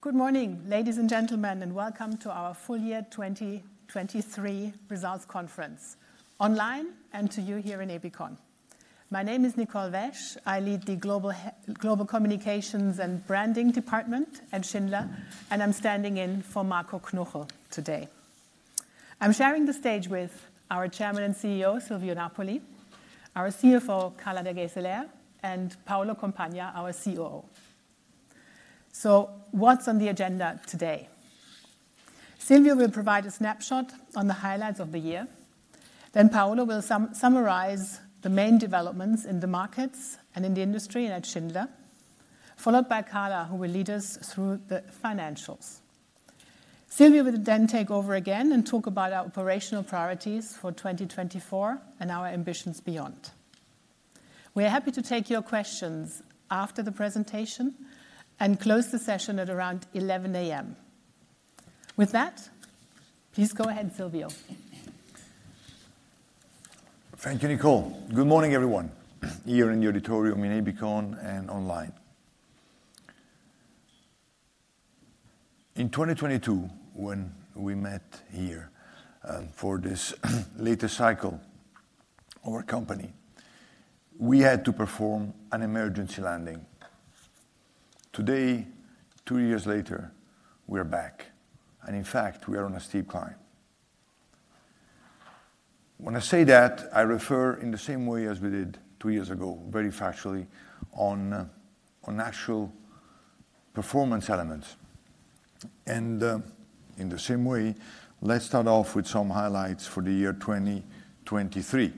Good morning, ladies and gentlemen, and welcome to our full year 2023 results conference, online and to you here in Ebikon. My name is Nicole Wesch, I lead the Global Communications and Branding Department at Schindler, and I'm standing in for Marco Knuchel today. I'm sharing the stage with our Chairman and CEO Silvio Napoli, our CFO Carla De Geyseleer, and Paolo Compagna, our COO. So what's on the agenda today? Silvio will provide a snapshot on the highlights of the year, then Paolo will summarize the main developments in the markets and in the industry at Schindler, followed by Carla, who will lead us through the financials. Silvio will then take over again and talk about our operational priorities for 2024 and our ambitions beyond. We are happy to take your questions after the presentation and close the session at around 11:00 A.M. With that, please go ahead, Silvio. Thank you, Nicole. Good morning, everyone, here in the auditorium in Ebikon and online. In 2022, when we met here for this latter cycle of our company, we had to perform an emergency landing. Today, two years later, we are back, and in fact, we are on a steep climb. When I say that, I refer in the same way as we did two years ago, very factually, on actual performance elements. And in the same way, let's start off with some highlights for the year 2023.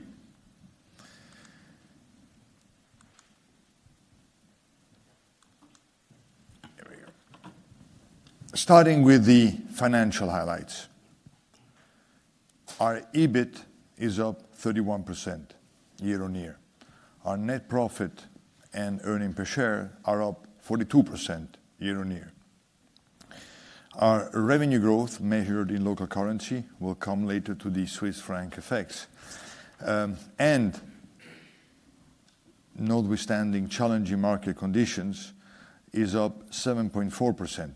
Here we go. Starting with the financial highlights. Our EBIT is up 31% year-on-year. Our net profit and earnings per share are up 42% year-on-year. Our revenue growth, measured in local currency, will come later to the Swiss franc effects. And notwithstanding challenging market conditions, it is up 7.4%.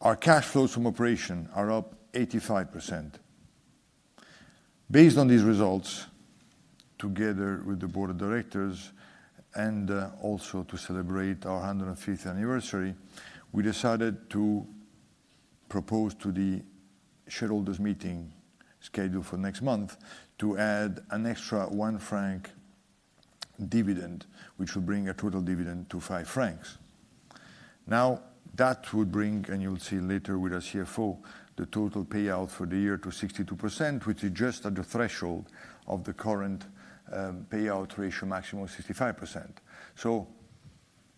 Our cash flows from operations are up 85%. Based on these results, together with the board of directors and also to celebrate our 150th anniversary, we decided to propose to the shareholders' meeting scheduled for next month to add an extra 1 franc dividend, which would bring a total dividend to 5 francs. Now, that would bring, and you will see later with our CFO, the total payout for the year to 62%, which is just at the threshold of the current payout ratio maximum of 65%. So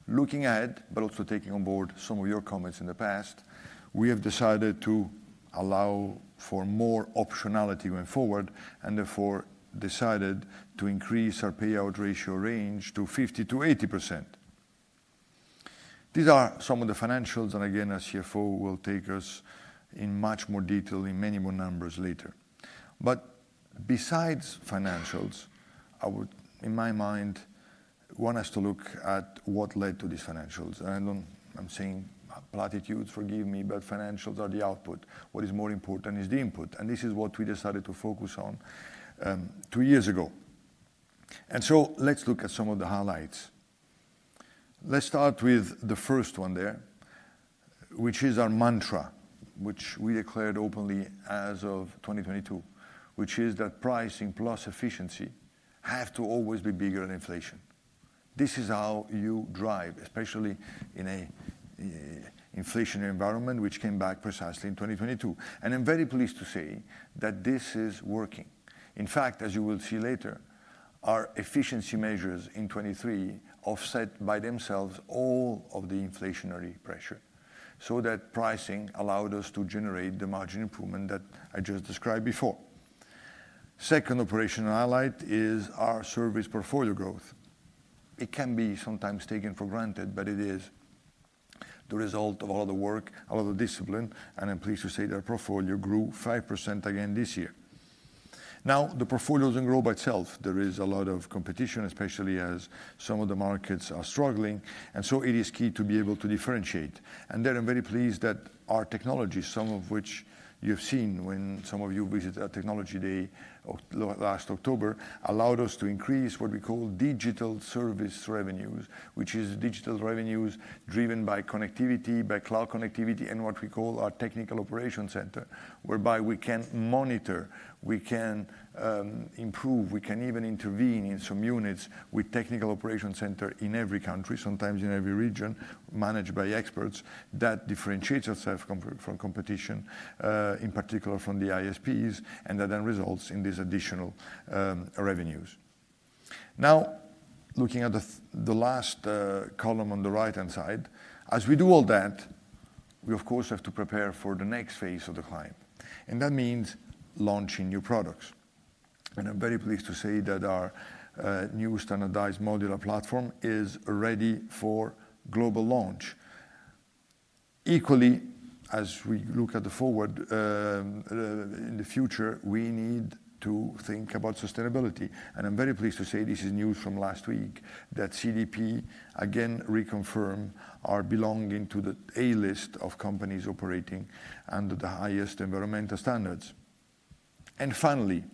looking ahead, but also taking on board some of your comments in the past, we have decided to allow for more optionality going forward and therefore decided to increase our payout ratio range to 50%-80%. These are some of the financials, and again, our CFO will take us in much more detail in many more numbers later. Besides financials, I would, in my mind, want us to look at what led to these financials. I'm saying platitudes, forgive me, but financials are the output. What is more important is the input, and this is what we decided to focus on two years ago. Let's look at some of the highlights. Let's start with the first one there, which is our mantra, which we declared openly as of 2022, which is that pricing plus efficiency have to always be bigger than inflation. This is how you drive, especially in an inflationary environment, which came back precisely in 2022. I'm very pleased to say that this is working. In fact, as you will see later, our efficiency measures in 2023 offset by themselves all of the inflationary pressure, so that pricing allowed us to generate the margin improvement that I just described before. Second operational highlight is our service portfolio growth. It can be sometimes taken for granted, but it is the result of a lot of work, a lot of discipline, and I'm pleased to say that our portfolio grew 5% again this year. Now, the portfolio doesn't grow by itself. There is a lot of competition, especially as some of the markets are struggling, and so it is key to be able to differentiate. There I'm very pleased that our technologies, some of which you have seen when some of you visited our Technology Day last October, allowed us to increase what we call digital service revenues, which is digital revenues driven by connectivity, by cloud connectivity, and what we call our Technical Operations Center, whereby we can monitor, we can improve, we can even intervene in some units with Technical Operations Centers in every country, sometimes in every region, managed by experts. That differentiates itself from competition, in particular from the ISPs, and that then results in these additional revenues. Now, looking at the last column on the right-hand side, as we do all that, we, of course, have to prepare for the next phase of the climb. That means launching new products. I'm very pleased to say that our new standardized modular platform is ready for global launch. Equally, as we look forward, in the future, we need to think about sustainability. And I'm very pleased to say this is news from last week, that CDP again reconfirmed our belonging to the A List of companies operating under the highest environmental standards. And finally,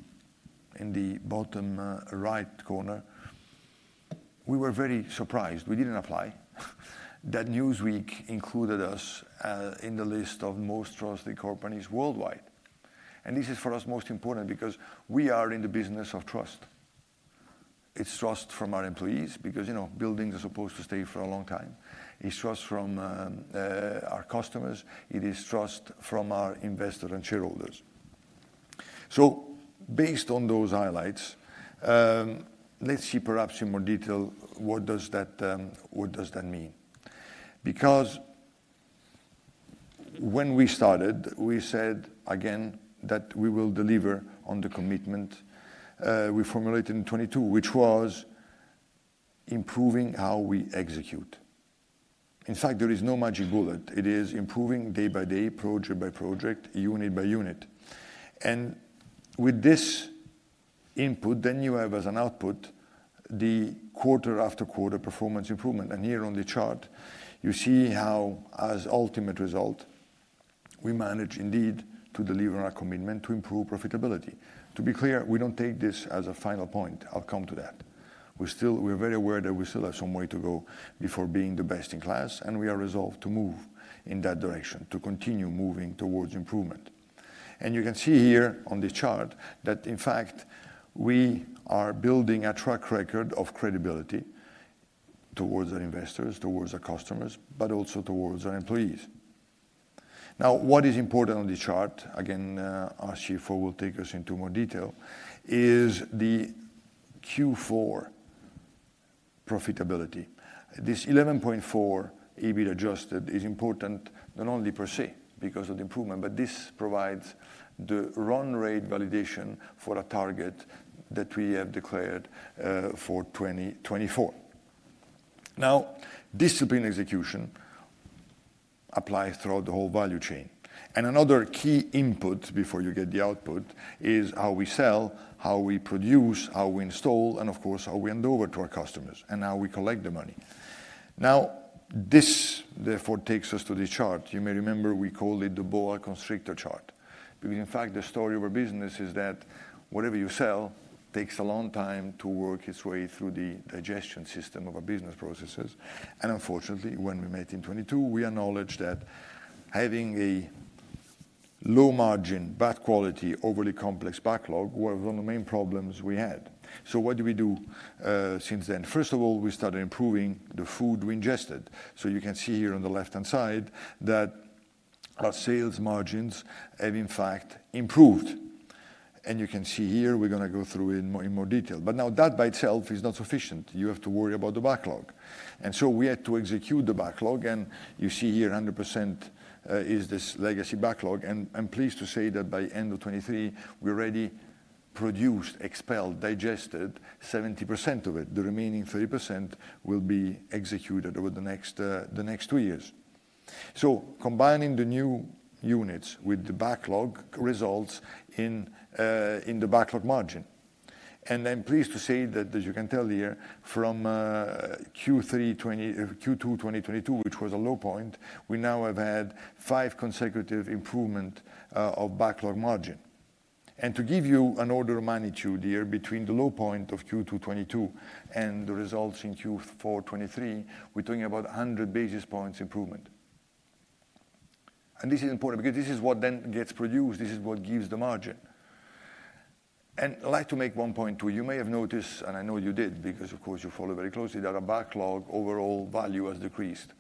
in the bottom right corner, we were very surprised. We didn't apply. That Newsweek included us in the list of most trusted companies worldwide. And this is for us most important because we are in the business of trust. It's trust from our employees because buildings are supposed to stay for a long time. It's trust from our customers. It is trust from our investors and shareholders. So based on those highlights, let's see perhaps in more detail what does that mean. Because when we started, we said again that we will deliver on the commitment we formulated in 2022, which was improving how we execute. In fact, there is no magic bullet. It is improving day by day, project by project, unit by unit. And with this input, then you have as an output the quarter after quarter performance improvement. And here on the chart, you see how, as ultimate result, we manage indeed to deliver on our commitment to improve profitability. To be clear, we don't take this as a final point. I'll come to that. We're very aware that we still have some way to go before being the best in class, and we are resolved to move in that direction, to continue moving towards improvement. And you can see here on this chart that, in fact, we are building a track record of credibility towards our investors, towards our customers, but also towards our employees. Now, what is important on this chart? Again, our CFO will take us into more detail is the Q4 profitability. This 11.4 EBIT Adjusted is important not only per se because of the improvement, but this provides the run rate validation for a target that we have declared for 2024. Now, discipline execution applies throughout the whole value chain. And another key input before you get the output is how we sell, how we produce, how we install, and of course, how we hand over to our customers, and how we collect the money. Now, this therefore takes us to this chart. You may remember we called it the Boa constrictor chart because, in fact, the story of our business is that whatever you sell takes a long time to work its way through the digestion system of our business processes. Unfortunately, when we met in 2022, we acknowledged that having a low margin, bad quality, overly complex backlog was one of the main problems we had. What do we do since then? First of all, we started improving the food we ingested. You can see here on the left-hand side that our sales margins have, in fact, improved. You can see here we're going to go through it in more detail. But now that by itself is not sufficient. You have to worry about the backlog. We had to execute the backlog, and you see here 100% is this legacy backlog. And I'm pleased to say that by the end of 2023, we already produced, expelled, digested 70% of it. The remaining 30% will be executed over the next two years. So combining the new units with the backlog results in the backlog margin. And I'm pleased to say that, as you can tell here, from Q2 2022, which was a low point, we now have had five consecutive improvements of backlog margin. And to give you an order of magnitude here between the low point of Q2 2022 and the results in Q4 2023, we're talking about 100 basis points improvement. And this is important because this is what then gets produced. This is what gives the margin. And I'd like to make 1 point too. You may have noticed, and I know you did because, of course, you follow very closely, that our backlog overall value has decreased.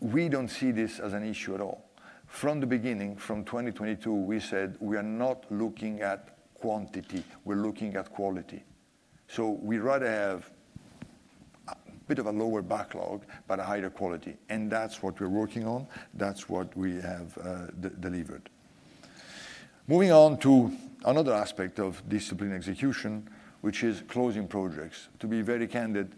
We don't see this as an issue at all. From the beginning, from 2022, we said we are not looking at quantity. We're looking at quality. So we'd rather have a bit of a lower backlog, but a higher quality. And that's what we're working on. That's what we have delivered. Moving on to another aspect of discipline execution, which is closing projects. To be very candid,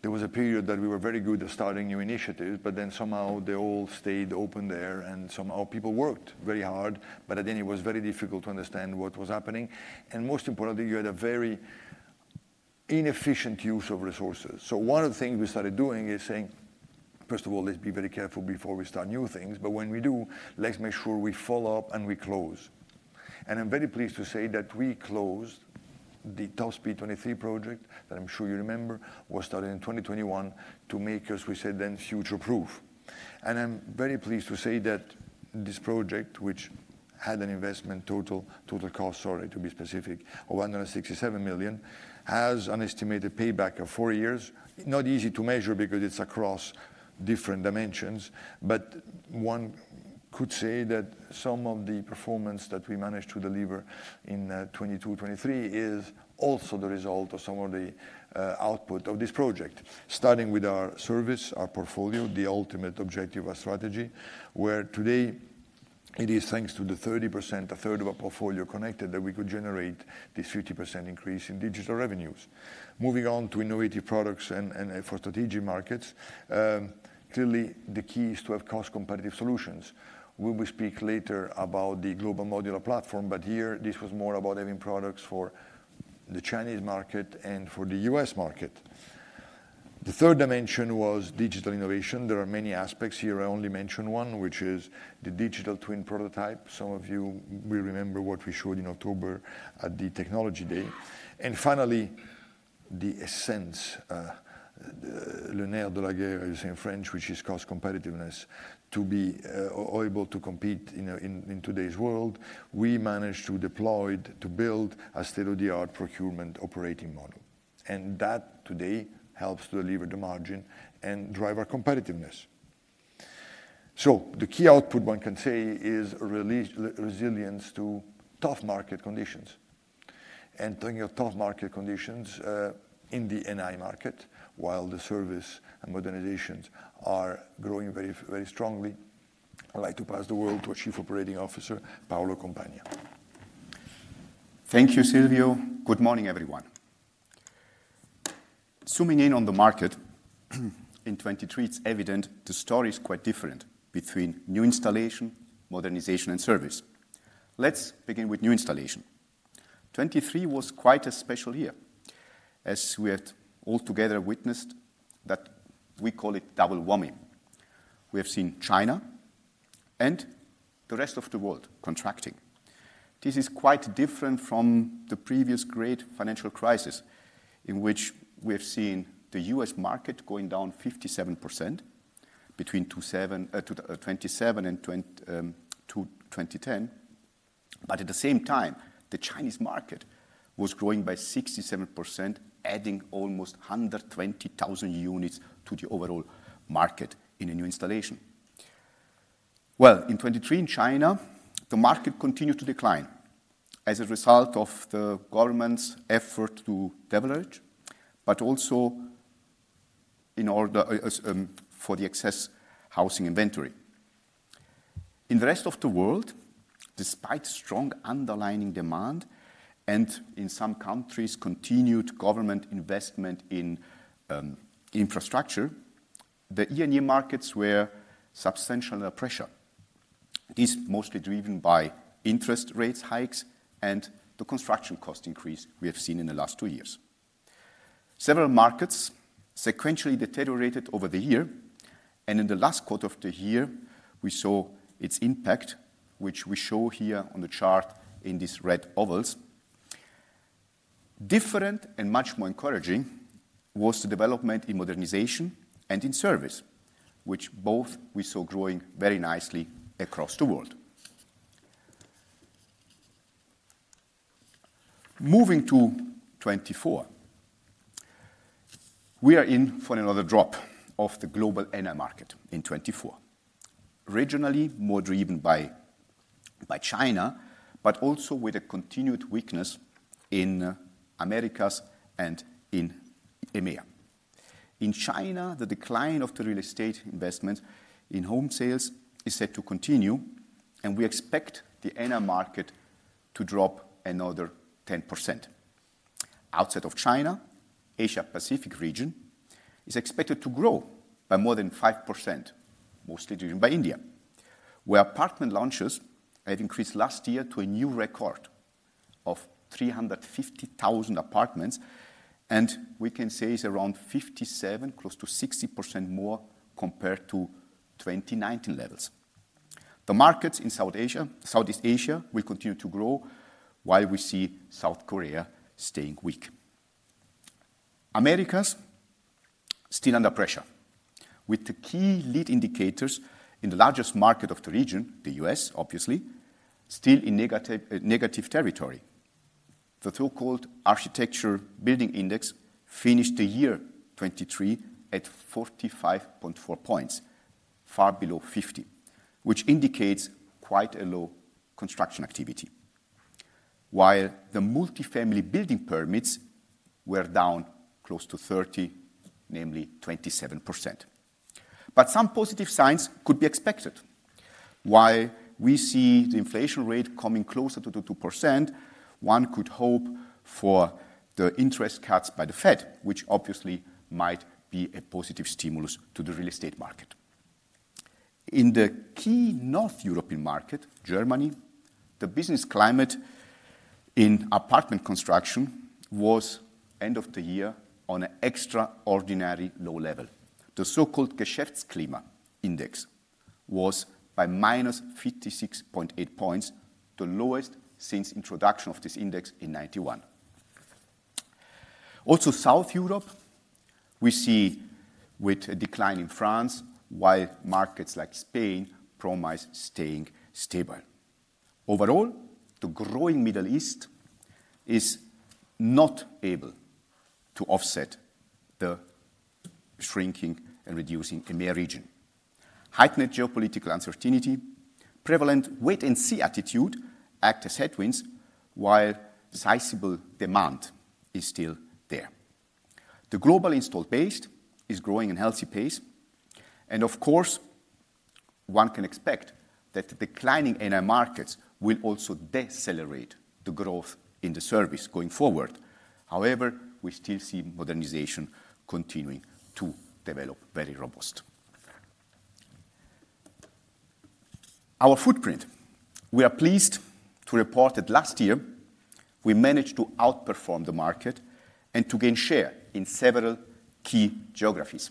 there was a period that we were very good at starting new initiatives, but then somehow they all stayed open there, and somehow people worked very hard, but at the end it was very difficult to understand what was happening. And most importantly, you had a very inefficient use of resources. So one of the things we started doing is saying, first of all, let's be very careful before we start new things, but when we do, let's make sure we follow up and we close. And I'm very pleased to say that we closed the TOP SPEED 23 project that I'm sure you remember was started in 2021 to make us, we said then, future-proof. And I'm very pleased to say that this project, which had an investment total, total cost, sorry to be specific, of 167 million, has an estimated payback of four years. Not easy to measure because it's across different dimensions, but one could say that some of the performance that we managed to deliver in 2022-2023 is also the result of some of the output of this project, starting with our service, our portfolio, the ultimate objective of our strategy, where today it is thanks to the 30%, a third of our portfolio connected, that we could generate this 50% increase in digital revenues. Moving on to innovative products and for strategic markets, clearly the key is to have cost-competitive solutions. We will speak later about the global modular platform, but here this was more about having products for the Chinese market and for the US market. The third dimension was digital innovation. There are many aspects here. I only mentioned one, which is the digital twin prototype. Some of you will remember what we showed in October at the Technology Day. Finally, the essence, le nerf de la guerre, as you say in French, which is cost competitiveness, to be able to compete in today's world, we managed to deploy, to build a state-of-the-art procurement operating model. And that today helps to deliver the margin and drive our competitiveness. So the key output, one can say, is resilience to tough market conditions. And talking of tough market conditions, in the NI market, while the service and modernizations are growing very, very strongly, I'd like to pass the word to our Chief Operating Officer, Paolo Compagna. Thank you, Silvio. Good morning, everyone. Zooming in on the market in 2023, it's evident the story is quite different between new installation, modernization, and service. Let's begin with new installation. 2023 was quite a special year, as we had altogether witnessed that we call it double whammy. We have seen China and the rest of the world contracting. This is quite different from the previous great financial crisis in which we have seen the U.S. market going down 57% between 2007 and 2010, but at the same time, the Chinese market was growing by 67%, adding almost 120,000 units to the overall market in a new installation. Well, in 2023 in China, the market continued to decline as a result of the government's effort to leverage, but also in order for the excess housing inventory. In the rest of the world, despite strong underlying demand and in some countries continued government investment in infrastructure, the E&E markets were substantial under pressure. This is mostly driven by interest rate hikes and the construction cost increase we have seen in the last two years. Several markets sequentially deteriorated over the year, and in the last quarter of the year, we saw its impact, which we show here on the chart in these red ovals. Different and much more encouraging was the development in modernization and in service, which both we saw growing very nicely across the world. Moving to 2024, we are in for another drop of the global NI market in 2024, regionally more driven by China, but also with a continued weakness in America and in EMEA. In China, the decline of the real estate investment in home sales is set to continue, and we expect the NI market to drop another 10%. Outside of China, the Asia-Pacific region is expected to grow by more than 5%, mostly driven by India, where apartment launches have increased last year to a new record of 350,000 apartments, and we can say it's around 57, close to 60% more compared to 2019 levels. The markets in Southeast Asia will continue to grow while we see South Korea staying weak. America is still under pressure, with the key lead indicators in the largest market of the region, the U.S., obviously, still in negative territory. The so-called Architecture Billings Index finished the year 2023 at 45.4 points, far below 50, which indicates quite a low construction activity, while the multifamily building permits were down close to 30%, namely 27%. But some positive signs could be expected. While we see the inflation rate coming closer to 2%, one could hope for the interest cuts by the Fed, which obviously might be a positive stimulus to the real estate market. In the key North European market, Germany, the business climate in apartment construction was, end of the year, on an extraordinary low level. The so-called Geschäftsklimaindex was by -56.8 points, the lowest since the introduction of this index in 1991. Also, South Europe, we see with a decline in France, while markets like Spain promise staying stable. Overall, the growing Middle East is not able to offset the shrinking and reducing EMEA region. Heightened geopolitical uncertainty, prevalent wait-and-see attitude act as headwinds, while sizable demand is still there. The global install base is growing at a healthy pace, and of course, one can expect that the declining NI markets will also decelerate the growth in the service going forward. However, we still see modernization continuing to develop very robust. Our footprint, we are pleased to report that last year we managed to outperform the market and to gain share in several key geographies.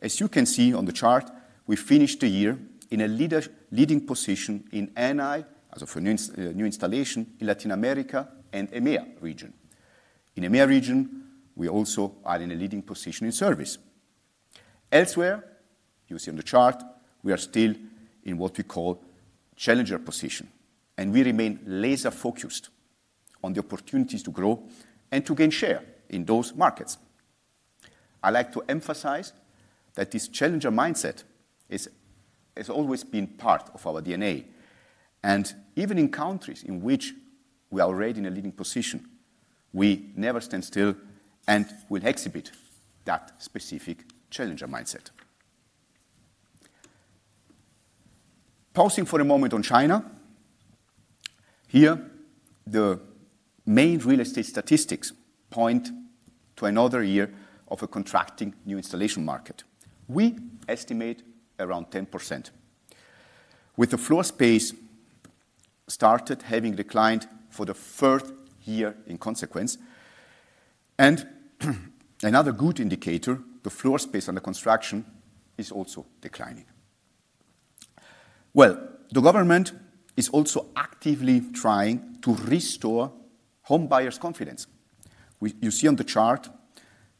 As you can see on the chart, we finished the year in a leading position in NI, as of a new installation, in Latin America and the EMEA region. In the EMEA region, we also are in a leading position in service. Elsewhere, you see on the chart, we are still in what we call a challenger position, and we remain laser-focused on the opportunities to grow and to gain share in those markets. I'd like to emphasize that this challenger mindset has always been part of our DNA, and even in countries in which we are already in a leading position, we never stand still and will exhibit that specific challenger mindset. Pausing for a moment on China, here the main real estate statistics point to another year of a contracting new installation market. We estimate around 10%, with the floor space started having declined for the fourth year in consequence, and another good indicator, the floor space under construction, is also declining. Well, the government is also actively trying to restore home buyers' confidence. You see on the chart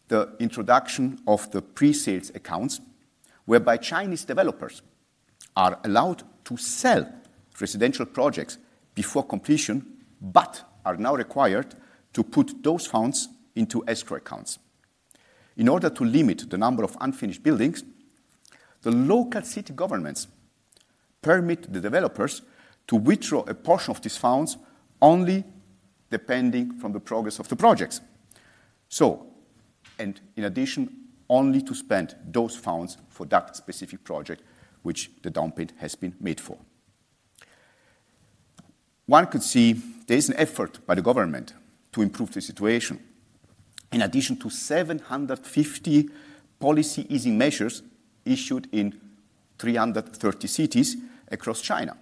the introduction of the pre-sales accounts, whereby Chinese developers are allowed to sell residential projects before completion, but are now required to put those funds into escrow accounts. In order to limit the number of unfinished buildings, the local city governments permit the developers to withdraw a portion of these funds only depending on the progress of the projects. So, and in addition, only to spend those funds for that specific project which the down payment has been made for. One could see there is an effort by the government to improve the situation, in addition to 750 policy easing measures issued in 330 cities across China.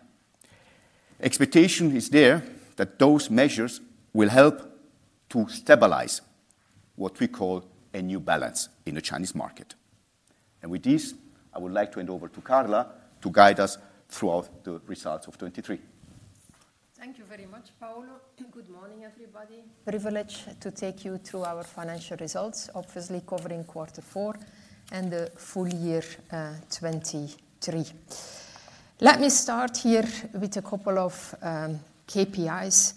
Expectation is there that those measures will help to stabilize what we call a new balance in the Chinese market. And with this, I would like to hand over to Carla to guide us throughout the results of 2023. Thank you very much, Paolo. Good morning, everybody. Privilege to take you through our financial results, obviously covering quarter four and the full year 2023. Let me start here with a couple of KPIs.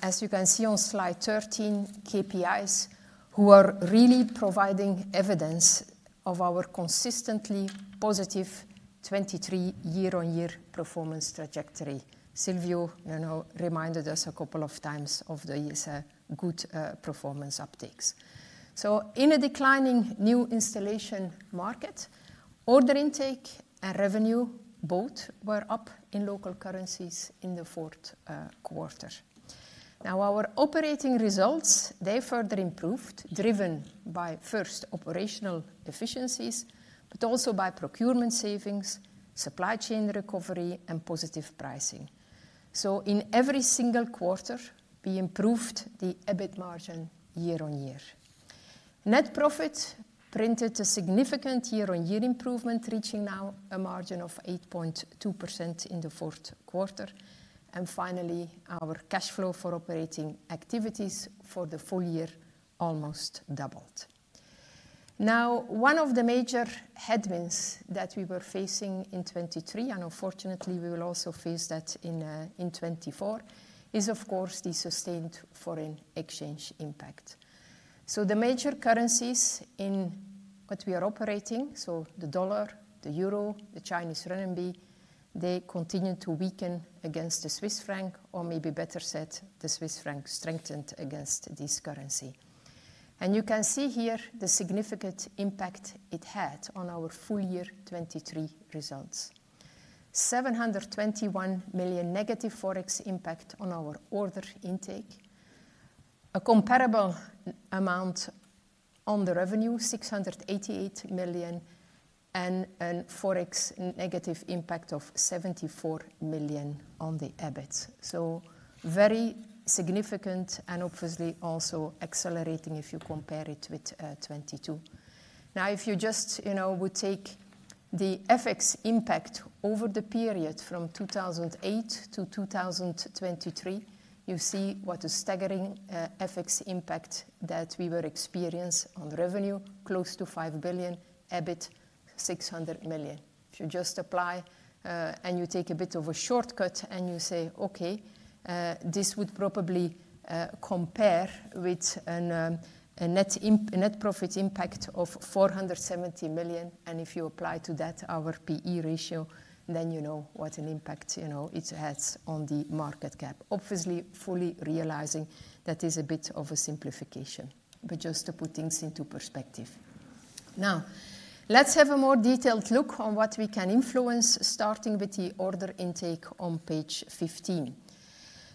As you can see on slide 13, KPIs who are really providing evidence of our consistently positive 2023 year-on-year performance trajectory. Silvio reminded us a couple of times of the good performance uptakes. So in a declining new installation market, order intake and revenue both were up in local currencies in the fourth quarter. Now, our operating results, they further improved, driven by first, operational efficiencies, but also by procurement savings, supply chain recovery, and positive pricing. So in every single quarter, we improved the EBIT margin year-on-year. Net profit printed a significant year-on-year improvement, reaching now a margin of 8.2% in the fourth quarter, and finally, our cash flow for operating activities for the full year almost doubled. Now, one of the major headwinds that we were facing in 2023, and unfortunately, we will also face that in 2024, is of course the sustained foreign exchange impact. So the major currencies in what we are operating, so the dollar, the euro, the Chinese renminbi, they continued to weaken against the Swiss franc, or maybe better said, the Swiss franc strengthened against this currency. And you can see here the significant impact it had on our full year 2023 results: 721 million negative forex impact on our order intake, a comparable amount on the revenue, 688 million, and a forex negative impact of 74 million on the EBIT. So very significant and obviously also accelerating if you compare it with 2022. Now, if you just would take the FX impact over the period from 2008 to 2023, you see what a staggering FX impact that we were experiencing on revenue, close to 5 billion, EBIT 600 million. If you just apply and you take a bit of a shortcut and you say, "Okay, this would probably compare with a net profit impact of 470 million," and if you apply to that our P/E ratio, then you know what an impact it has on the market cap. Obviously, fully realizing that is a bit of a simplification, but just to put things into perspective. Now, let's have a more detailed look on what we can influence, starting with the order intake on page 15.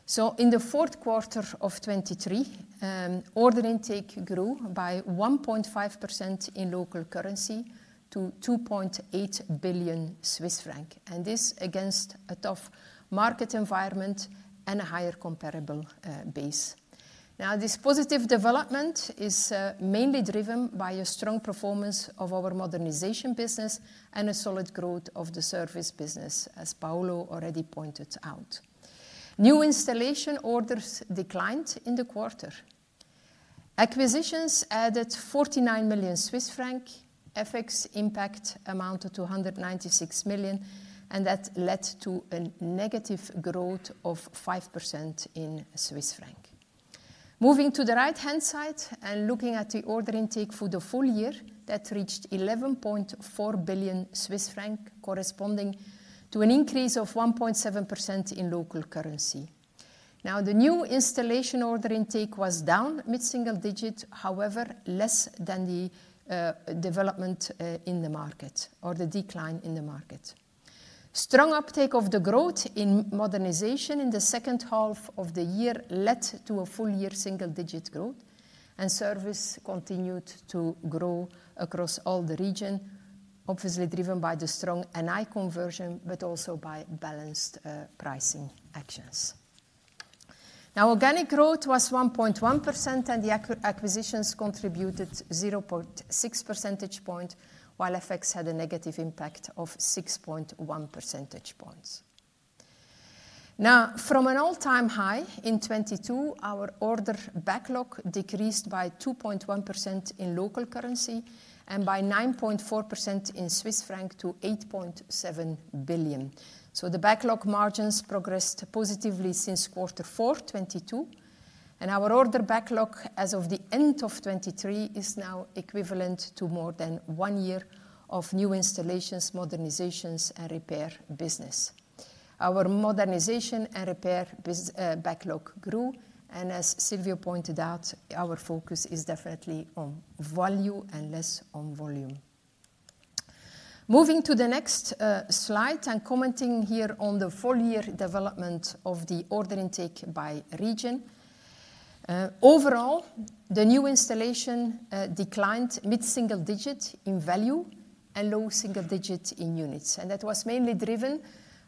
So in the fourth quarter of 2023, order intake grew by 1.5% in local currency to 2.8 billion Swiss francs, and this against a tough market environment and a higher comparable base. Now, this positive development is mainly driven by a strong performance of our modernization business and a solid growth of the service business, as Paolo already pointed out. New installation orders declined in the quarter. Acquisitions added 49 million Swiss franc, FX impact amounted to 196 million, and that led to a negative growth of 5% in Swiss francs. Moving to the right-hand side and looking at the order intake for the full year, that reached 11.4 billion Swiss francs, corresponding to an increase of 1.7% in local currency. Now, the new installation order intake was down mid-single digit, however, less than the development in the market or the decline in the market. Strong uptake of the growth in modernization in the second half of the year led to a full year single-digit growth, and service continued to grow across all the region, obviously driven by the strong NI conversion, but also by balanced pricing actions. Now, organic growth was 1.1%, and the acquisitions contributed 0.6 percentage points, while FX had a negative impact of 6.1 percentage points. Now, from an all-time high in 2022, our order backlog decreased by 2.1% in local currency and by 9.4% in Swiss francs to 8.7 billion. So the backlog margins progressed positively since quarter four 2022, and our order backlog as of the end of 2023 is now equivalent to more than one year of new installations, modernizations, and repair business. Our modernization and repair backlog grew, and as Silvio Napoli pointed out, our focus is definitely on value and less on volume. Moving to the next slide and commenting here on the full year development of the order intake by region, overall, the new installation declined mid-single digit in value and low single digit in units, and that was mainly driven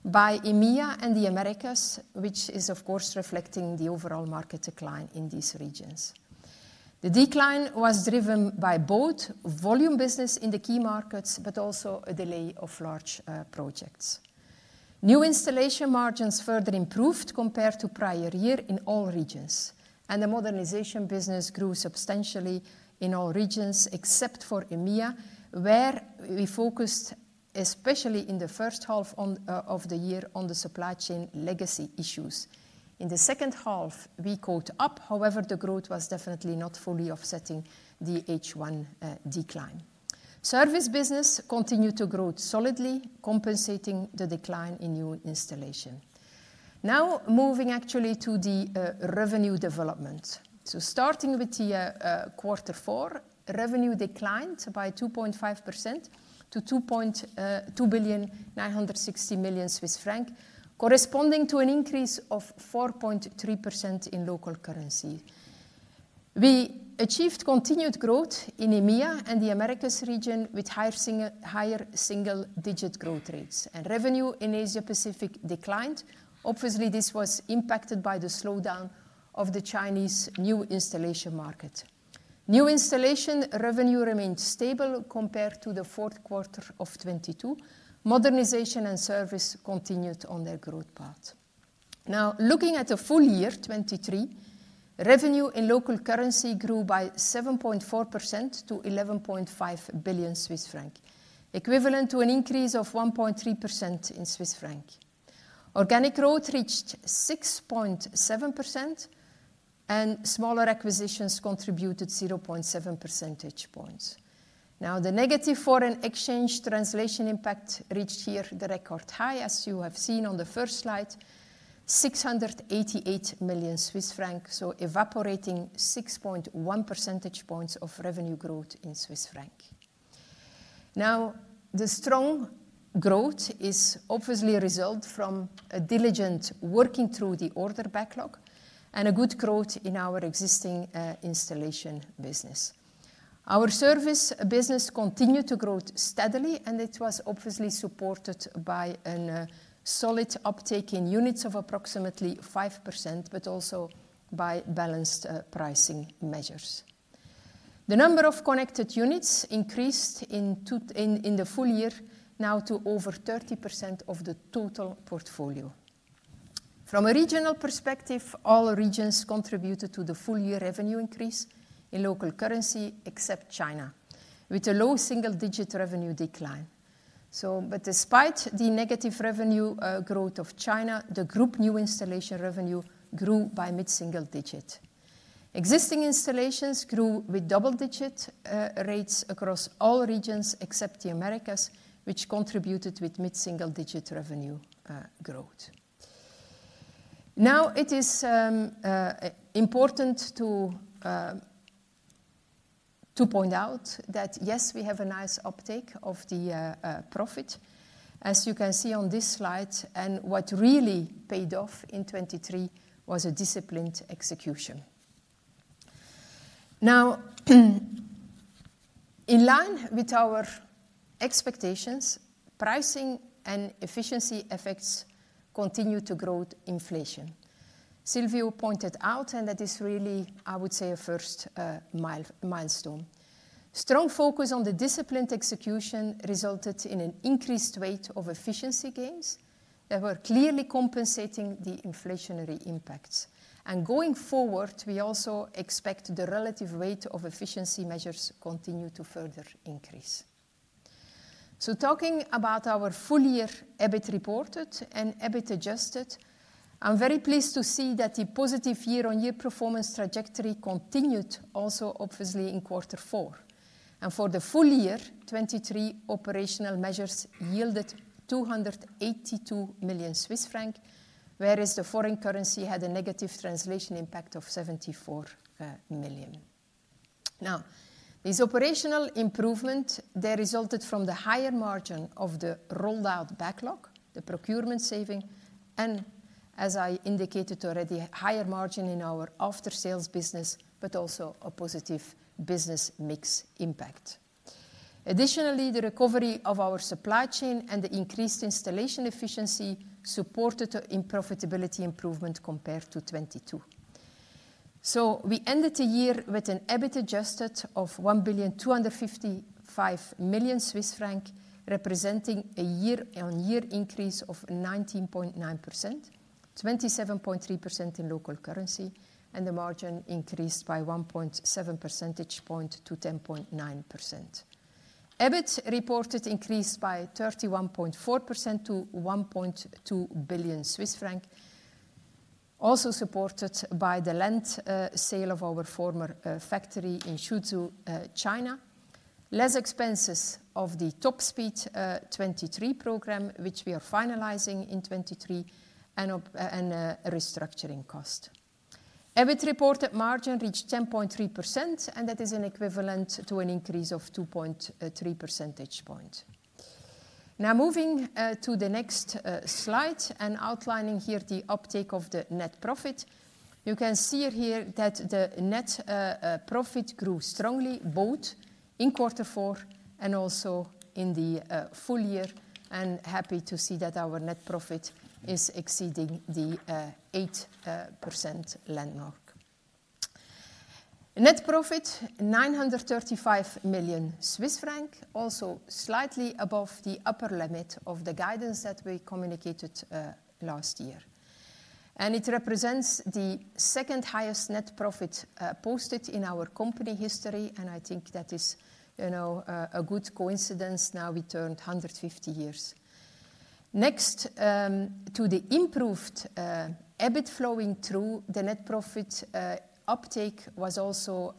by EMEA and the Americas, which is of course reflecting the overall market decline in these regions. The decline was driven by both volume business in the key markets, but also a delay of large projects. New installation margins further improved compared to prior year in all regions, and the modernization business grew substantially in all regions except for EMEA, where we focused especially in the first half of the year on the supply chain legacy issues. In the second half, we caught up. However, the growth was definitely not fully offsetting the H1 decline. Service business continued to grow solidly, compensating the decline in new installation. Now, moving actually to the revenue development. So starting with quarter four, revenue declined by 2.5%-CHF 3.16 billion, corresponding to an increase of 4.3% in local currency. We achieved continued growth in EMEA and the Americas region with higher single-digit growth rates, and revenue in Asia-Pacific declined. Obviously, this was impacted by the slowdown of the Chinese new installation market. New installation revenue remained stable compared to the fourth quarter of 2022. Modernization and service continued on their growth path. Now, looking at the full year 2023, revenue in local currency grew by 7.4%-CHF 11.5 billion, equivalent to an increase of 1.3% in Swiss francs. Organic growth reached 6.7%, and smaller acquisitions contributed 0.7 percentage points. Now, the negative foreign exchange translation impact reached here the record high, as you have seen on the first slide: 688 million Swiss francs, so evaporating 6.1 percentage points of revenue growth in Swiss francs. Now, the strong growth is obviously a result from diligent working through the order backlog and a good growth in our existing installation business. Our service business continued to grow steadily, and it was obviously supported by a solid uptake in units of approximately 5%, but also by balanced pricing measures. The number of connected units increased in the full year now to over 30% of the total portfolio. From a regional perspective, all regions contributed to the full year revenue increase in local currency except China, with a low single-digit revenue decline. So, but despite the negative revenue growth of China, the group new installation revenue grew by mid-single digit. Existing installations grew with double-digit rates across all regions except the Americas, which contributed with mid-single-digit revenue growth. Now, it is important to point out that yes, we have a nice uptake of the profit, as you can see on this slide, and what really paid off in 2023 was a disciplined execution. Now, in line with our expectations, pricing and efficiency effects continue to grow inflation. Silvio pointed out, and that is really, I would say, a first milestone. Strong focus on the disciplined execution resulted in an increased weight of efficiency gains that were clearly compensating the inflationary impacts. And going forward, we also expect the relative weight of efficiency measures to continue to further increase. So talking about our full-year EBIT reported and EBIT adjusted, I'm very pleased to see that the positive year-on-year performance trajectory continued also, obviously, in quarter four. For the full year 2023, operational measures yielded 282 million Swiss francs, whereas the foreign currency had a negative translation impact of 74 million. Now, these operational improvements, they resulted from the higher margin of the rolled-out backlog, the procurement saving, and, as I indicated already, higher margin in our after-sales business, but also a positive business mix impact. Additionally, the recovery of our supply chain and the increased installation efficiency supported the profitability improvement compared to 2022. So we ended the year with an EBIT adjusted of 1.255 billion Swiss francs, representing a year-on-year increase of 19.9%, 27.3% in local currency, and the margin increased by 1.7 percentage points to 10.9%. EBIT reported increased by 31.4%-CHF 1.2 billion, also supported by the land sale of our former factory in Suzhou, China, less expenses of the TOP SPEED 23 program, which we are finalizing in 2023, and a restructuring cost. EBIT reported margin reached 10.3%, and that is an equivalent to an increase of 2.3 percentage points. Now, moving to the next slide and outlining here the uptake of the net profit, you can see here that the net profit grew strongly both in quarter four and also in the full year, and happy to see that our net profit is exceeding the 8% landmark. Net profit 935 million Swiss franc, also slightly above the upper limit of the guidance that we communicated last year. It represents the second highest net profit posted in our company history, and I think that is a good coincidence. Now, we turned 150 years. Next to the improved EBIT flowing through, the net profit uptake was also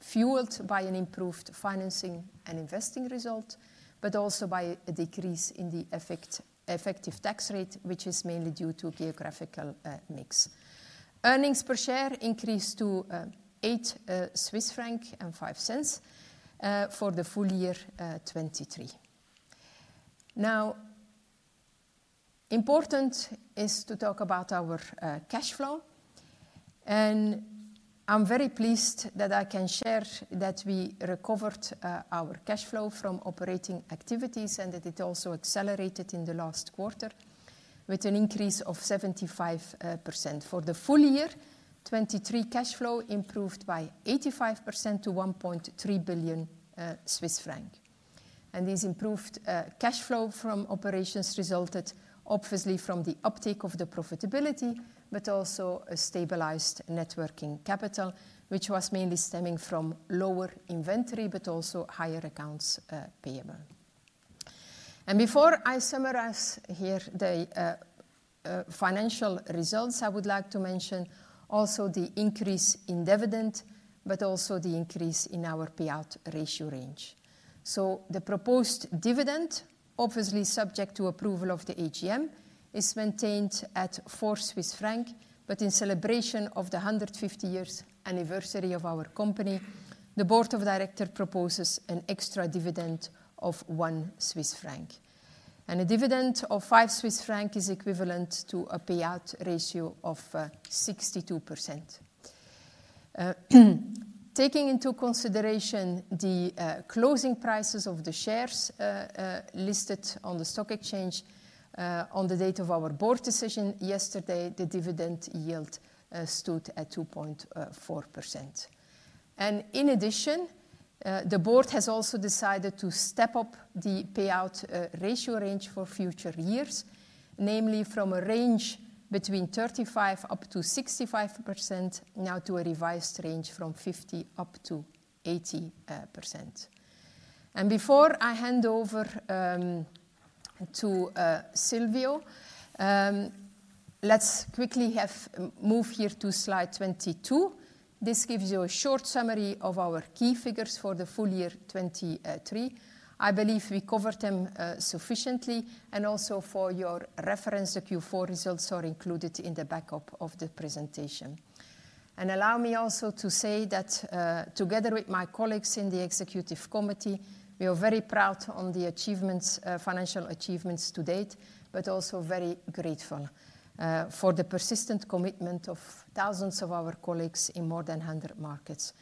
fueled by an improved financing and investing result, but also by a decrease in the effective tax rate, which is mainly due to geographical mix. Earnings per share increased to 8.05 Swiss francs for the full year 2023. Now, important is to talk about our cash flow, and I'm very pleased that I can share that we recovered our cash flow from operating activities and that it also accelerated in the last quarter with an increase of 75%. For the full year 2023, cash flow improved by 85%-CHF 1.3 billion. This improved cash flow from operations resulted, obviously, from the uptake of the profitability, but also a stabilized working capital, which was mainly stemming from lower inventory, but also higher accounts payable. Before I summarize here the financial results, I would like to mention also the increase in dividend, but also the increase in our payout ratio range. The proposed dividend, obviously subject to approval of the AGM, is maintained at 4 Swiss franc, but in celebration of the 150-year anniversary of our company, the board of directors proposes an extra dividend of 1 Swiss franc. A dividend of 5 Swiss franc is equivalent to a payout ratio of 62%. Taking into consideration the closing prices of the shares listed on the stock exchange on the date of our board decision yesterday, the dividend yield stood at 2.4%. In addition, the board has also decided to step up the payout ratio range for future years, namely from a range between 35%-65%, now to a revised range from 50%-80%. Before I hand over to Silvio, let's quickly move here to slide 22. This gives you a short summary of our key figures for the full year 2023. I believe we covered them sufficiently, and also for your reference, the Q4 results are included in the backup of the presentation. Allow me also to say that together with my colleagues in the executive committee, we are very proud of the financial achievements to date, but also very grateful for the persistent commitment of thousands of our colleagues in more than 100 markets.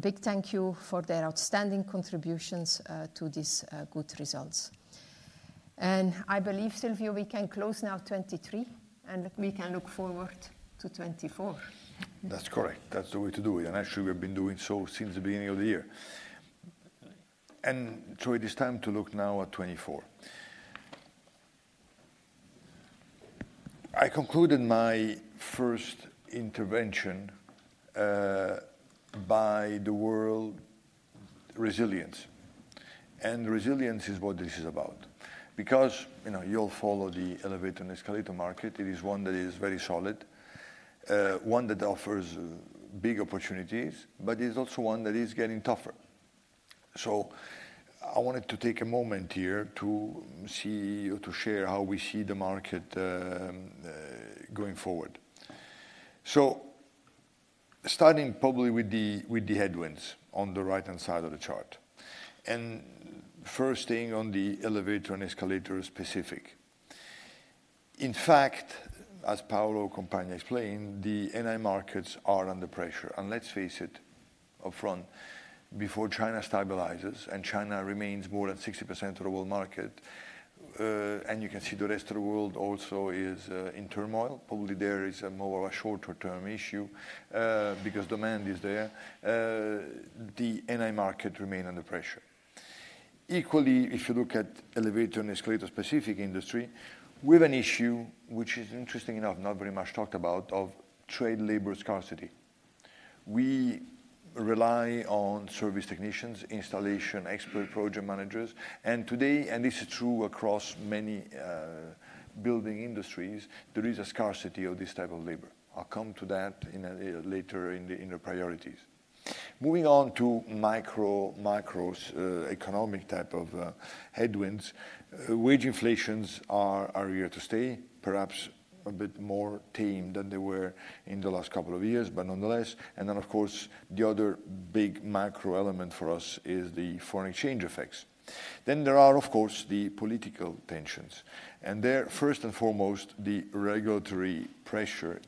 Big thank you for their outstanding contributions to these good results. I believe, Silvio, we can close now 2023, and we can look forward to 2024. That's correct. That's the way to do it, and actually, we've been doing so since the beginning of the year. It is time to look now at 2024. I concluded my first intervention by the word resilience. Resilience is what this is about. Because you all follow the elevator and escalator market, it is one that is very solid, one that offers big opportunities, but it is also one that is getting tougher. I wanted to take a moment here to share how we see the market going forward. Starting probably with the headwinds on the right-hand side of the chart and first thing on the elevator and escalator specific. In fact, as Paolo Compagna explained, the NI markets are under pressure. Let's face it upfront, before China stabilizes and China remains more than 60% of the world market, and you can see the rest of the world also is in turmoil, probably there is more of a shorter-term issue because demand is there, the NI markets remain under pressure. Equally, if you look at the elevator and escalator specific industry, we have an issue which is interesting enough not very much talked about of trade labor scarcity. We rely on service technicians, installation expert, project managers, and today, and this is true across many building industries, there is a scarcity of this type of labor. I'll come to that later in the priorities. Moving on to microeconomic type of headwinds, wage inflations are here to stay, perhaps a bit more tame than they were in the last couple of years, but nonetheless. And then, of course, the other big macro element for us is the foreign exchange effects. Then there are, of course, the political tensions. And there, first and foremost, the regulatory pressure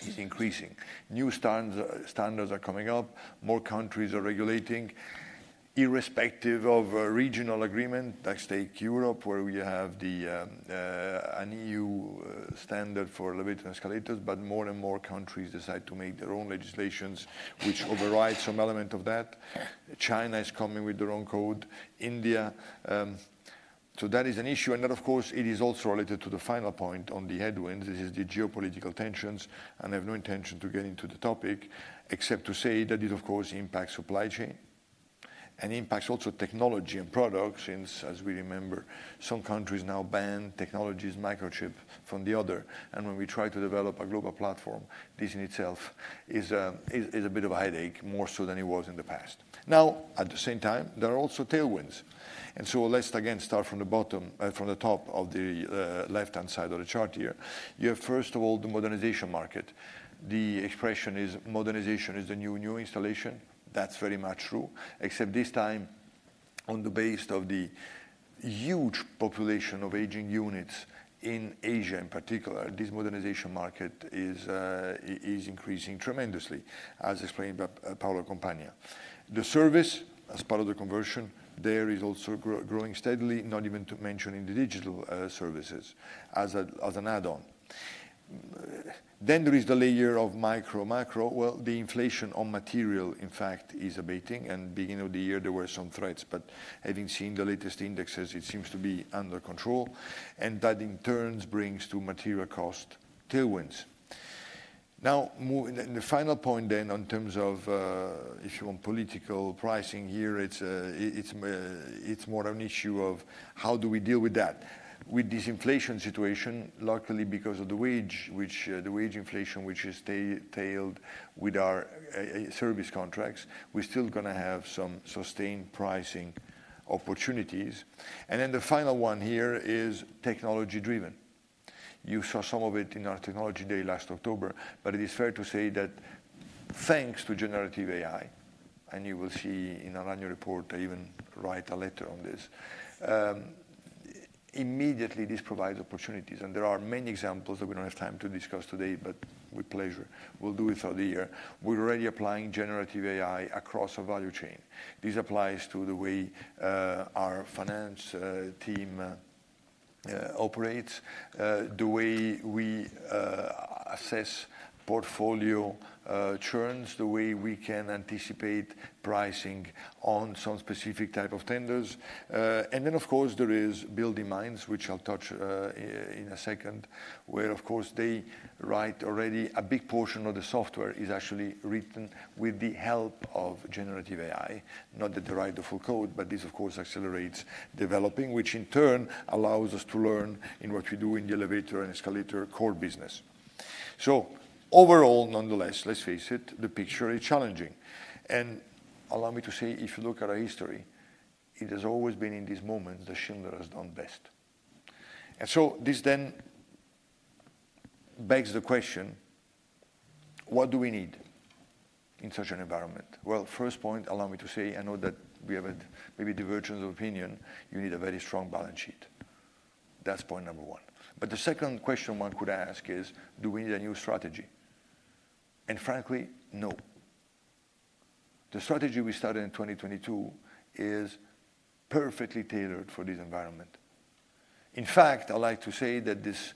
is increasing. New standards are coming up. More countries are regulating. Irrespective of regional agreement, let's take Europe, where we have an EU standard for elevator and escalators, but more and more countries decide to make their own legislations, which override some element of that. China is coming with their own code. India. So that is an issue. And then, of course, it is also related to the final point on the headwinds. This is the geopolitical tensions. And I have no intention to get into the topic except to say that it, of course, impacts supply chain and impacts also technology and products since, as we remember, some countries now ban technologies, microchips, from the other. And when we try to develop a global platform, this in itself is a bit of a headache more so than it was in the past. Now, at the same time, there are also tailwinds. And so let's, again, start from the top of the left-hand side of the chart here. You have, first of all, the modernization market. The expression is modernization is the new installation. That's very much true, except this time on the base of the huge population of aging units in Asia in particular, this modernization market is increasing tremendously, as explained by Paolo Compagna. The service, as part of the conversion, there is also growing steadily, not even to mention in the digital services as an add-on. Then there is the layer of micro-macro. Well, the inflation on material, in fact, is abating. And beginning of the year, there were some threats. But having seen the latest indexes, it seems to be under control. That, in turn, brings material cost tailwinds. Now, the final point then in terms of, if you want, political pricing here, it's more of an issue of how do we deal with that? With this inflation situation, luckily, because of the wage inflation which is tied with our service contracts, we're still going to have some sustained pricing opportunities. Then the final one here is technology-driven. You saw some of it in our Technology Day last October, but it is fair to say that thanks to generative AI, and you will see in our annual report, I even write a letter on this, immediately, this provides opportunities. There are many examples that we don't have time to discuss today, but with pleasure, we'll do it throughout the year. We're already applying generative AI across our value chain. This applies to the way our finance team operates, the way we assess portfolio churns, the way we can anticipate pricing on some specific type of tenders. And then, of course, there is BuildingMinds, which I'll touch on in a second, where, of course, they write already a big portion of the software is actually written with the help of generative AI, not that they write the full code, but this, of course, accelerates developing, which in turn allows us to learn in what we do in the elevator and escalator core business. So overall, nonetheless, let's face it, the picture is challenging. And allow me to say, if you look at our history, it has always been in these moments that Schindler has done best. And so this then begs the question, what do we need in such an environment? Well, first point, allow me to say, I know that we have maybe divergence of opinion. You need a very strong balance sheet. That's point number one. But the second question one could ask is, do we need a new strategy? And frankly, no. The strategy we started in 2022 is perfectly tailored for this environment. In fact, I like to say that this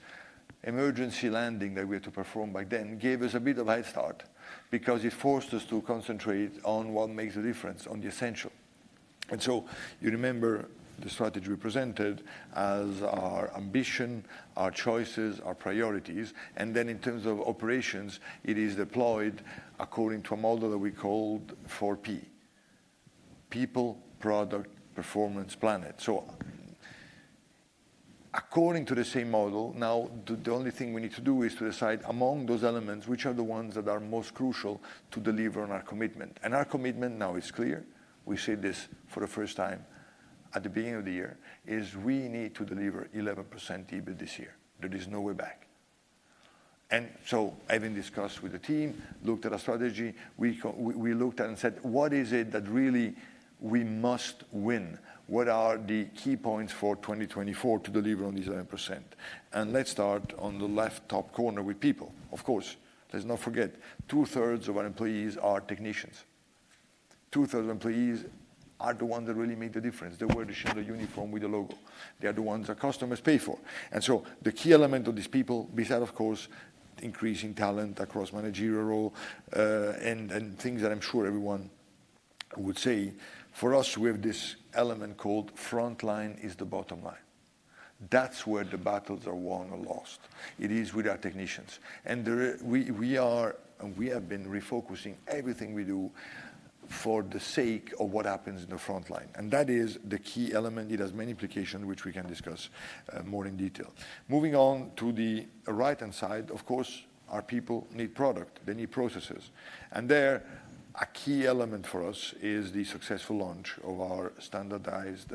emergency landing that we had to perform back then gave us a bit of a head start because it forced us to concentrate on what makes the difference, on the essential. And so you remember the strategy we presented as our ambition, our choices, our priorities. And then in terms of operations, it is deployed according to a model that we called 4P: People, Product, Performance, Planet. So according to the same model, now the only thing we need to do is to decide among those elements which are the ones that are most crucial to deliver on our commitment. And our commitment now is clear. We say this for the first time at the beginning of the year, is we need to deliver 11% EBIT this year. There is no way back. And so having discussed with the team, looked at our strategy, we looked at and said, what is it that really we must win? What are the key points for 2024 to deliver on these 11%? And let's start on the left top corner with people. Of course, let's not forget, two-thirds of our employees are technicians. Two-thirds of employees are the ones that really make the difference. They wear the Schindler uniform with the logo. They are the ones our customers pay for. And so the key element of these people, besides, of course, increasing talent across managerial role and things that I'm sure everyone would say, for us, we have this element called front line is the bottom line. That's where the battles are won or lost. It is with our technicians. We have been refocusing everything we do for the sake of what happens in the front line. And that is the key element. It has many implications, which we can discuss more in detail. Moving on to the right-hand side, of course, our people need product. They need processes. And there, a key element for us is the successful launch of our standardized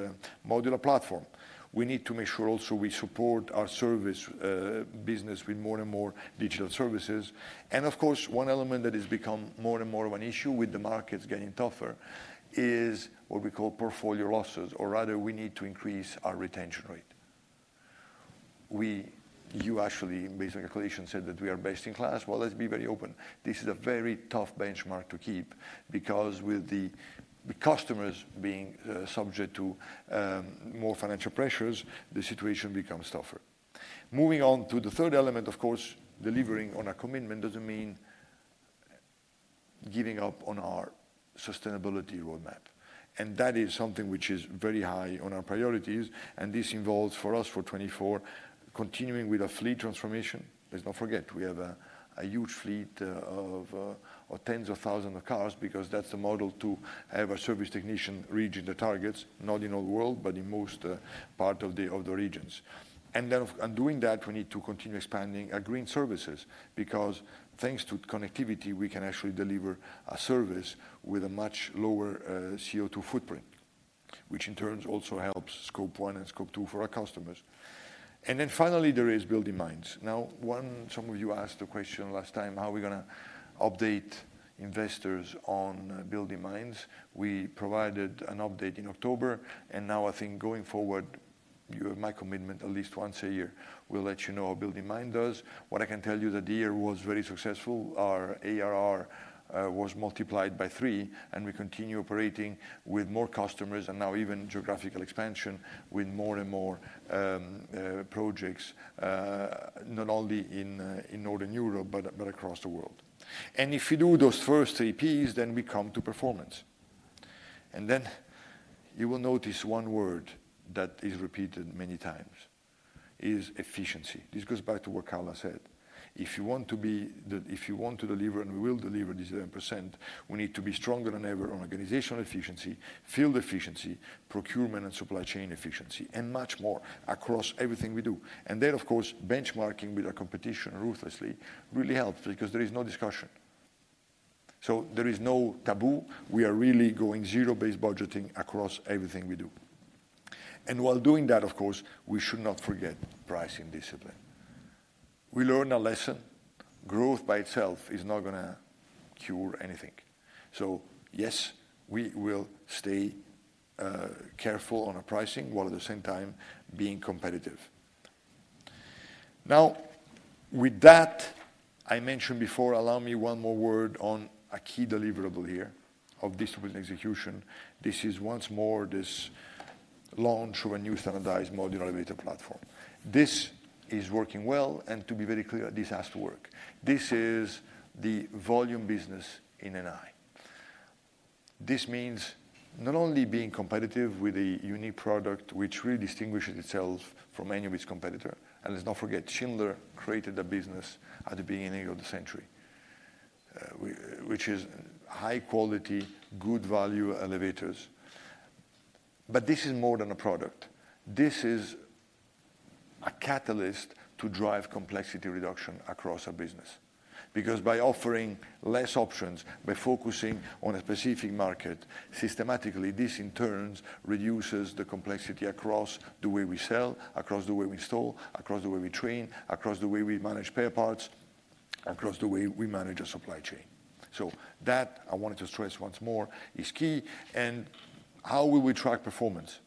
modular platform. We need to make sure also we support our service business with more and more digital services. Of course, one element that has become more and more of an issue with the markets getting tougher is what we call portfolio losses. Or rather, we need to increase our retention rate. You actually, based on calculations, said that we are best in class. Well, let's be very open. This is a very tough benchmark to keep because with the customers being subject to more financial pressures, the situation becomes tougher. Moving on to the third element, of course, delivering on our commitment doesn't mean giving up on our sustainability roadmap. And that is something which is very high on our priorities. And this involves for us, for 2024, continuing with our fleet transformation. Let's not forget, we have a huge fleet of tens of thousands of cars because that's the model to have a service technician reaching the targets, not in all the world, but in most parts of the regions. And doing that, we need to continue expanding our green services because thanks to connectivity, we can actually deliver a service with a much lower CO2 footprint, which in turn also helps Scope 1 and cope two for our customers. And then finally, there is BuildingMinds. Now, some of you asked the question last time, how are we going to update investors on BuildingMinds? We provided an update in October. And now I think going forward, my commitment, at least once a year, we'll let you know how BuildingMinds does. What I can tell you is that the year was very successful. Our ARR was multiplied by three, and we continue operating with more customers and now even geographical expansion with more and more projects, not only in Northern Europe, but across the world. If you do those first three P's, then we come to performance. Then you will notice one word that is repeated many times is efficiency. This goes back to what Carla said. If you want to deliver and we will deliver these 11%, we need to be stronger than ever on organizational efficiency, field efficiency, procurement, and supply chain efficiency, and much more across everything we do. Then, of course, benchmarking with our competition ruthlessly really helps because there is no discussion. So there is no taboo. We are really going zero-based budgeting across everything we do. And while doing that, of course, we should not forget pricing discipline. We learn a lesson. Growth by itself is not going to cure anything. So yes, we will stay careful on our pricing while at the same time being competitive. Now, with that, I mentioned before, allow me one more word on a key deliverable here of distribution execution. This is once more this launch of a new standardized modular elevator platform. This is working well. And to be very clear, this has to work. This is the volume business in NI. This means not only being competitive with a unique product which really distinguishes itself from any of its competitors. And let's not forget, Schindler created a business at the beginning of the century, which is high-quality, good-value elevators. But this is more than a product. This is a catalyst to drive complexity reduction across our business because by offering less options, by focusing on a specific market systematically, this in turn reduces the complexity across the way we sell, across the way we install, across the way we train, across the way we manage spare parts, across the way we manage our supply chain. So that I wanted to stress once more is key. And how will we track performance?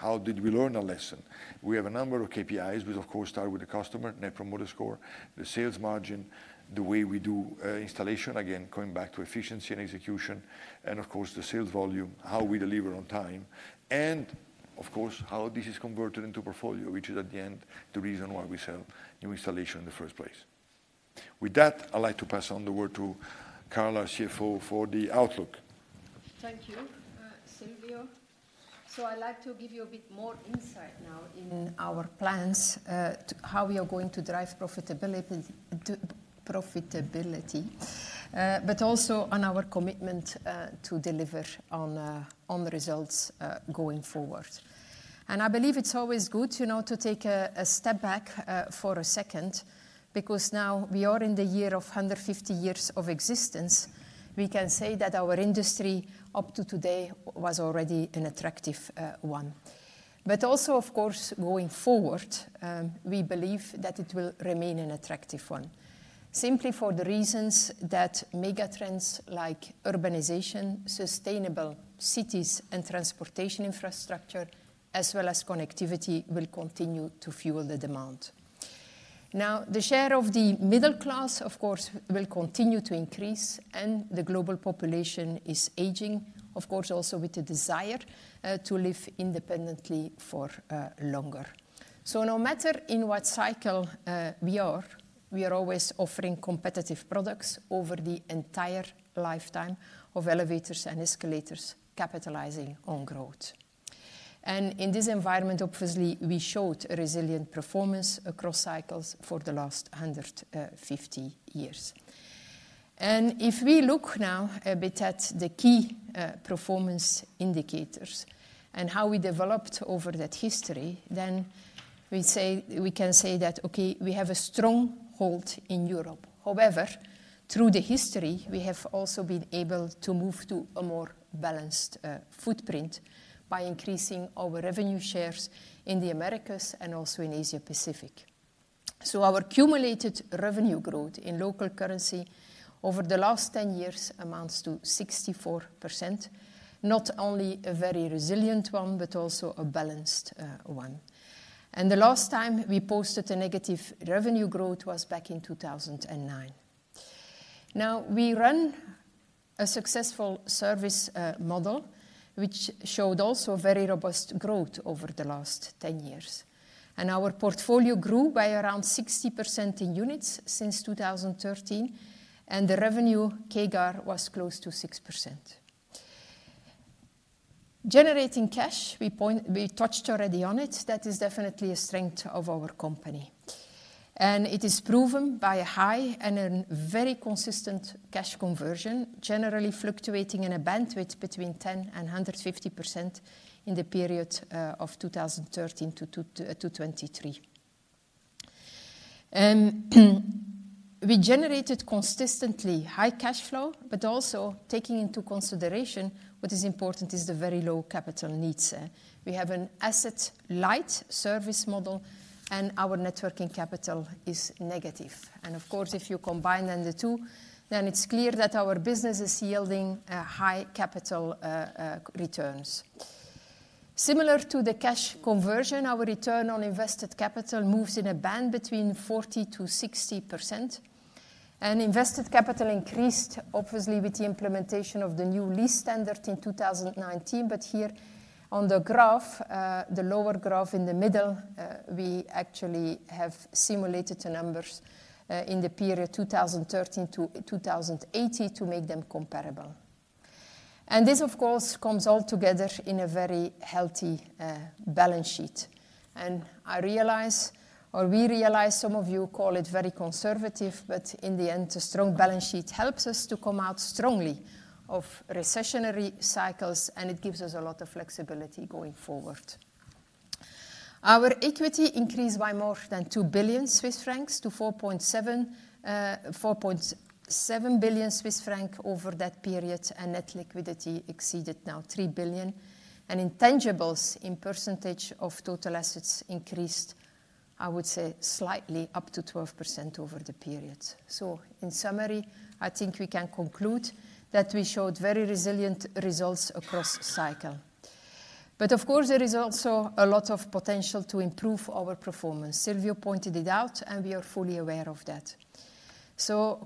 How did we learn a lesson? We have a number of KPIs. We, of course, start with the customer, Net Promoter Score, the sales margin, the way we do installation, again, coming back to efficiency and execution, and of course, the sales volume, how we deliver on time, and of course, how this is converted into portfolio, which is at the end the reason why we sell new installation in the first place. With that, I'd like to pass on the word to Carla, CFO, for the outlook. Thank you, Silvio. I'd like to give you a bit more insight now in our plans, how we are going to drive profitability, but also on our commitment to deliver on the results going forward. I believe it's always good to take a step back for a second because now we are in the year of 150 years of existence. We can say that our industry, up to today, was already an attractive one. But also, of course, going forward, we believe that it will remain an attractive one simply for the reasons that megatrends like urbanization, sustainable cities, and transportation infrastructure, as well as connectivity, will continue to fuel the demand. Now, the share of the middle class, of course, will continue to increase, and the global population is aging, of course, also with the desire to live independently for longer. So no matter in what cycle we are, we are always offering competitive products over the entire lifetime of elevators and escalators capitalizing on growth. And in this environment, obviously, we showed resilient performance across cycles for the last 150 years. And if we look now a bit at the key performance indicators and how we developed over that history, then we can say that, okay, we have a strong hold in Europe. However, through the history, we have also been able to move to a more balanced footprint by increasing our revenue shares in the Americas and also in Asia-Pacific. So our accumulated revenue growth in local currency over the last 10 years amounts to 64%, not only a very resilient one, but also a balanced one. The last time we posted a negative revenue growth was back in 2009. Now, we run a successful service model which showed also very robust growth over the last 10 years. Our portfolio grew by around 60% in units since 2013, and the revenue CAGR was close to 6%. Generating cash, we touched already on it. That is definitely a strength of our company. It is proven by a high and a very consistent cash conversion, generally fluctuating in a bandwidth between 10%-150% in the period of 2013-2023. We generated consistently high cash flow, but also taking into consideration what is important is the very low capital needs. We have an asset-light service model, and our networking capital is negative. Of course, if you combine then the two, then it's clear that our business is yielding high capital returns. Similar to the cash conversion, our return on invested capital moves in a band between 40%-60%. Invested capital increased, obviously, with the implementation of the new lease standard in 2019. But here on the graph, the lower graph in the middle, we actually have simulated the numbers in the period 2013 to 2080 to make them comparable. This, of course, comes all together in a very healthy balance sheet. I realize, or we realize, some of you call it very conservative, but in the end, a strong balance sheet helps us to come out strongly of recessionary cycles, and it gives us a lot of flexibility going forward. Our equity increased by more than 2 billion Swiss francs to 4.7 billion Swiss francs over that period, and net liquidity exceeded now 3 billion. Intangibles in percentage of total assets increased, I would say, slightly up to 12% over the period. In summary, I think we can conclude that we showed very resilient results across cycle. Of course, there is also a lot of potential to improve our performance. Silvio pointed it out, and we are fully aware of that.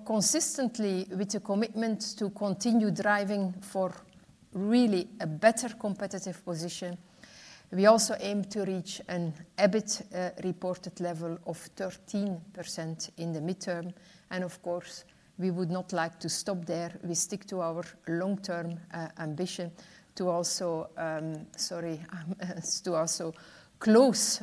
Consistently with the commitment to continue driving for really a better competitive position, we also aim to reach an EBIT reported level of 13% in the midterm. Of course, we would not like to stop there. We stick to our long-term ambition to also close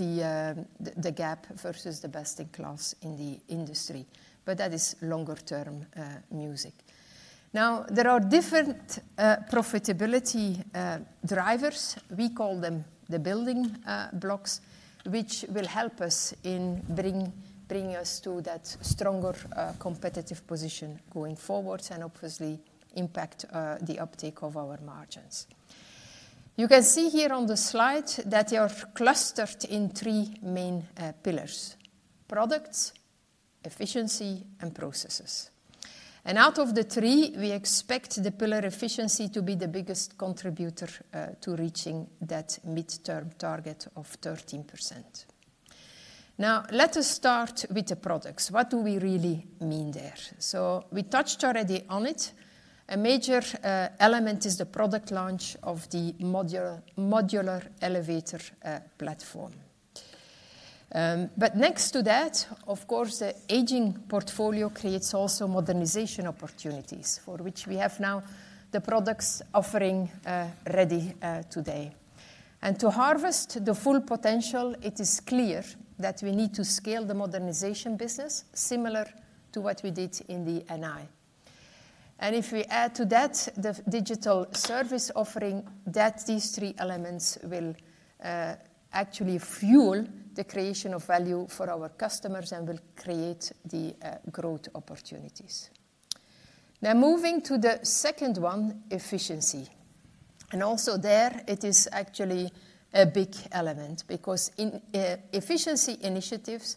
the gap versus the best in class in the industry. That is longer-term music. Now, there are different profitability drivers. We call them the building blocks, which will help us in bringing us to that stronger competitive position going forward and obviously impact the uptake of our margins. You can see here on the slide that they are clustered in three main pillars: products, efficiency, and processes. And out of the three, we expect the pillar efficiency to be the biggest contributor to reaching that midterm target of 13%. Now, let us start with the products. What do we really mean there? So we touched already on it. A major element is the product launch of the modular elevator platform. But next to that, of course, the aging portfolio creates also modernization opportunities for which we have now the products offering ready today. To harvest the full potential, it is clear that we need to scale the modernization business similar to what we did in the NI. If we add to that the digital service offering, these three elements will actually fuel the creation of value for our customers and will create the growth opportunities. Now, moving to the second one, efficiency. Also there, it is actually a big element because in efficiency initiatives,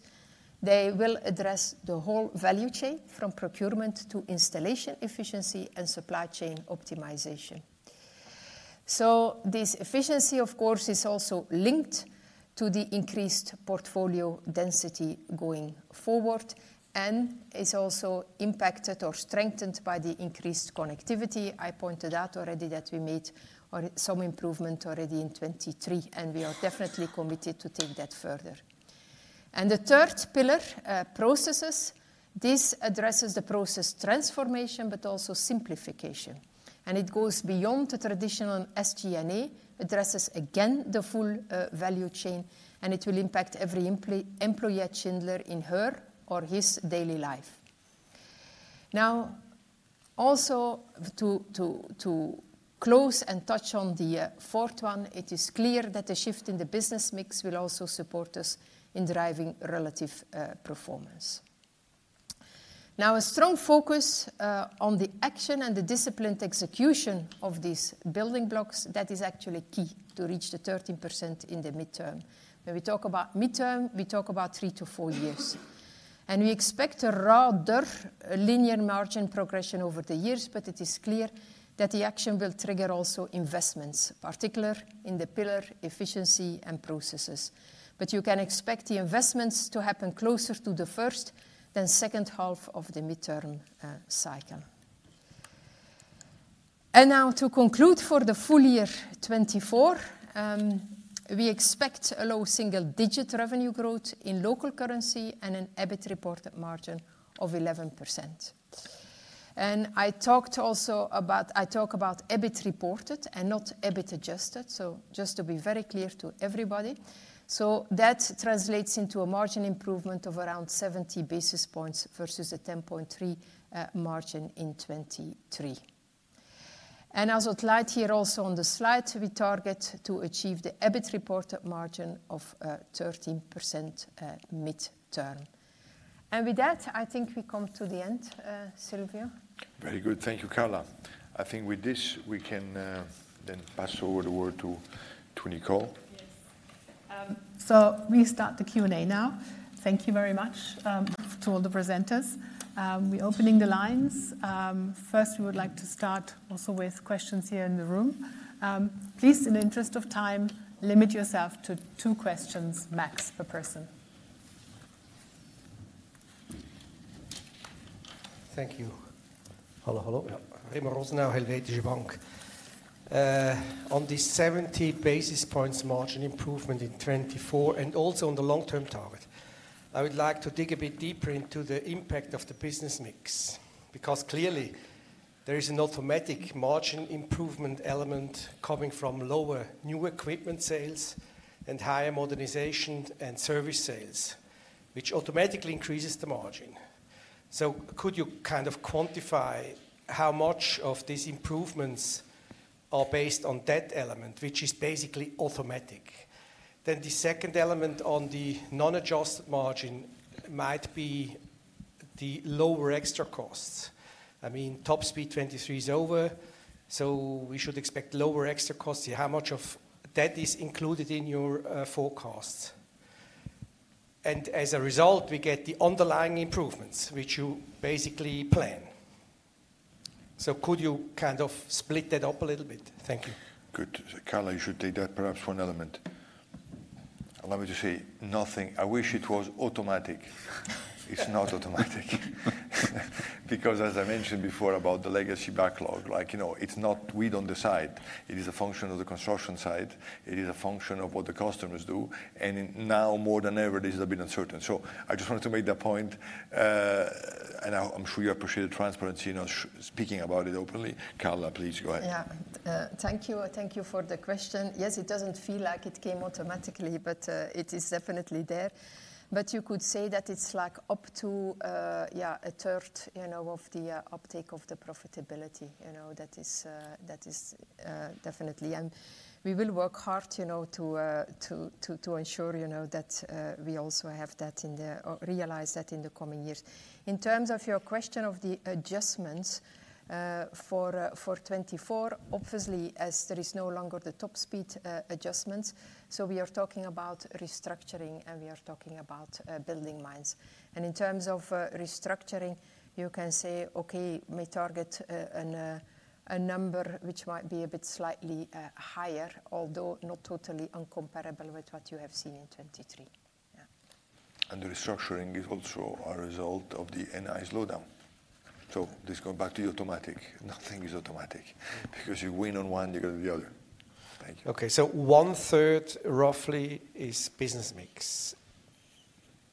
they will address the whole value chain from procurement to installation efficiency and supply chain optimization. This efficiency, of course, is also linked to the increased portfolio density going forward and is also impacted or strengthened by the increased connectivity. I pointed out already that we made some improvement already in 2023, and we are definitely committed to take that further. The third pillar, processes, this addresses the process transformation but also simplification. It goes beyond the traditional SG&A, addresses again the full value chain, and it will impact every employee at Schindler in her or his daily life. Now, also to close and touch on the fourth one, it is clear that the shift in the business mix will also support us in driving relative performance. Now, a strong focus on the action and the disciplined execution of these building blocks, that is actually key to reach the 13% in the midterm. When we talk about midterm, we talk about three-to-four years. And we expect a rather linear margin progression over the years, but it is clear that the action will trigger also investments, particularly in the pillar efficiency and processes. But you can expect the investments to happen closer to the first than second half of the midterm cycle. And now to conclude for the full year 2024, we expect a low single-digit revenue growth in local currency and an EBIT reported margin of 11%. And I talked also about EBIT reported and not EBIT adjusted, so just to be very clear to everybody. So that translates into a margin improvement of around 70 basis points versus a 10.3 margin in 2023. And as it lies here also on the slide, we target to achieve the EBIT reported margin of 13% midterm. And with that, I think we come to the end, Silvio. Very good. Thank you, Carla. I think with this, we can then pass over the word to Nicole. Yes. We start the Q&A now. Thank you very much to all the presenters. We're opening the lines. First, we would like to start also with questions here in the room. Please, in the interest of time, limit yourself to two questions, max per person. Thank you. Hallo, hallo. I'm Remo Rosenau, Helvetische Bank. On the 70-basis points margin improvement in 2024 and also on the long-term target, I would like to dig a bit deeper into the impact of the business mix because clearly, there is an automatic margin improvement element coming from lower new equipment sales and higher modernization and service sales, which automatically increases the margin. So could you kind of quantify how much of these improvements are based on that element, which is basically automatic? Then the second element on the non-adjusted margin might be the lower extra costs. I mean, TOP SPEED 2023 is over, so we should expect lower extra costs. How much of that is included in your forecasts? And as a result, we get the underlying improvements, which you basically plan. So could you kind of split that up a little bit? Thank you. Good. Carla, you should take that perhaps for an element. Allow me to say nothing. I wish it was automatic. It's not automatic because, as I mentioned before about the legacy backlog, it's not we don't decide. It is a function of the construction side. It is a function of what the customers do. And now, more than ever, this has been uncertain. So I just wanted to make that point. And I'm sure you appreciate the transparency in speaking about it openly. Carla, please go ahead. Yeah. Thank you for the question. Yes, it doesn't feel like it came automatically, but it is definitely there. But you could say that it's like up to a third of the uptake of the profitability. That is definitely. And we will work hard to ensure that we also have that in the realization that in the coming years. In terms of your question of the adjustments for 2024, obviously, as there is no longer the TOP SPEED adjustments, so we are talking about restructuring, and we are talking about BuildingMinds. And in terms of restructuring, you can say, okay, may target a number which might be a bit slightly higher, although not totally incomparable with what you have seen in 2023. Yeah. The restructuring is also a result of the NI slowdown. This goes back to the automatic. Nothing is automatic because you win on one, you get the other. Thank you. Okay. So one third, roughly, is business mix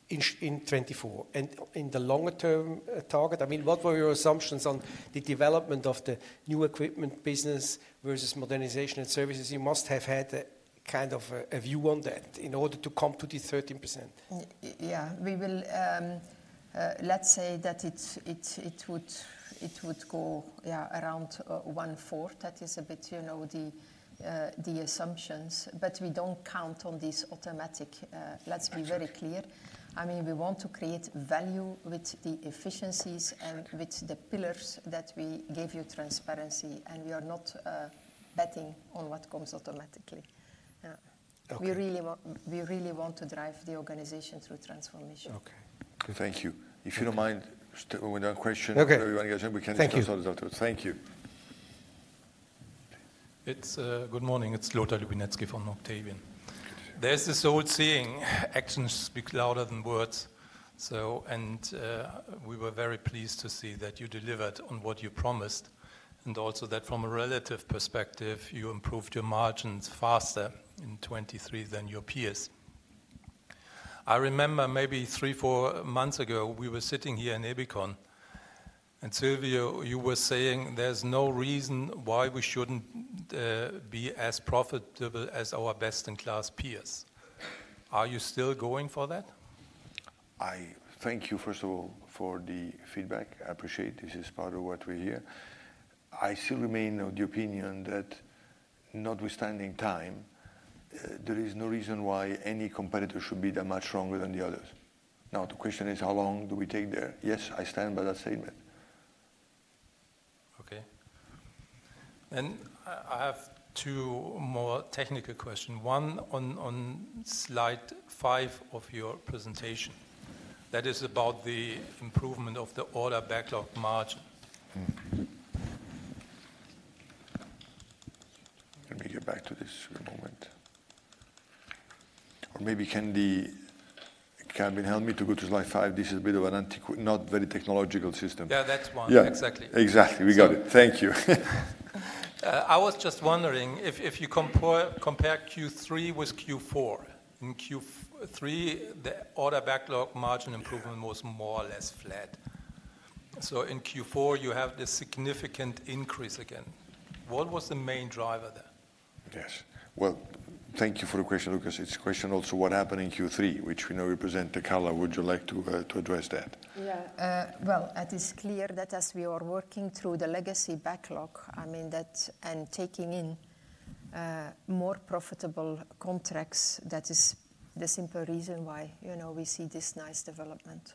in 2024. In the longer-term target, I mean, what were your assumptions on the development of the new equipment business versus modernization and services? You must have had a kind of a view on that in order to come to the 13%. Yeah. Let's say that it would go around one fourth. That is a bit the assumptions. But we don't count on this automatic. Let's be very clear. I mean, we want to create value with the efficiencies and with the pillars that we gave you transparency. And we are not betting on what comes automatically. We really want to drive the organization through transformation. Okay. Thank you. If you don't mind, we'll do a question. Everyone gets in, we can answer the answer afterwards. Thank you. Good morning. It's Lothar Lubinetzki from Octavian. There's this old saying, "Actions speak louder than words." We were very pleased to see that you delivered on what you promised and also that from a relative perspective, you improved your margins faster in 2023 than your peers. I remember maybe three, four months ago, we were sitting here in Ebikon. Silvio, you were saying there's no reason why we shouldn't be as profitable as our best-in-class peers. Are you still going for that? Thank you, first of all, for the feedback. I appreciate it. This is part of what we hear. I still remain of the opinion that notwithstanding time, there is no reason why any competitor should be that much stronger than the others. Now, the question is, how long do we take there? Yes, I stand by that statement. Okay. I have two more technical questions. One on slide five of your presentation. That is about the improvement of the order backlog margin. Let me get back to this in a moment. Or maybe can Calvin help me to go to slide 5? This is a bit of a not very technological system. Yeah, that's one. Exactly. Exactly. We got it. Thank you. I was just wondering if you compare Q3 with Q4. In Q3, the order backlog margin improvement was more or less flat. So in Q4, you have this significant increase again. What was the main driver there? Yes. Well, thank you for the question, Lucas. It's a question also what happened in Q3, which we know you present to Carla. Would you like to address that? Yeah. Well, it is clear that as we are working through the legacy backlog, I mean, and taking in more profitable contracts, that is the simple reason why we see this nice development.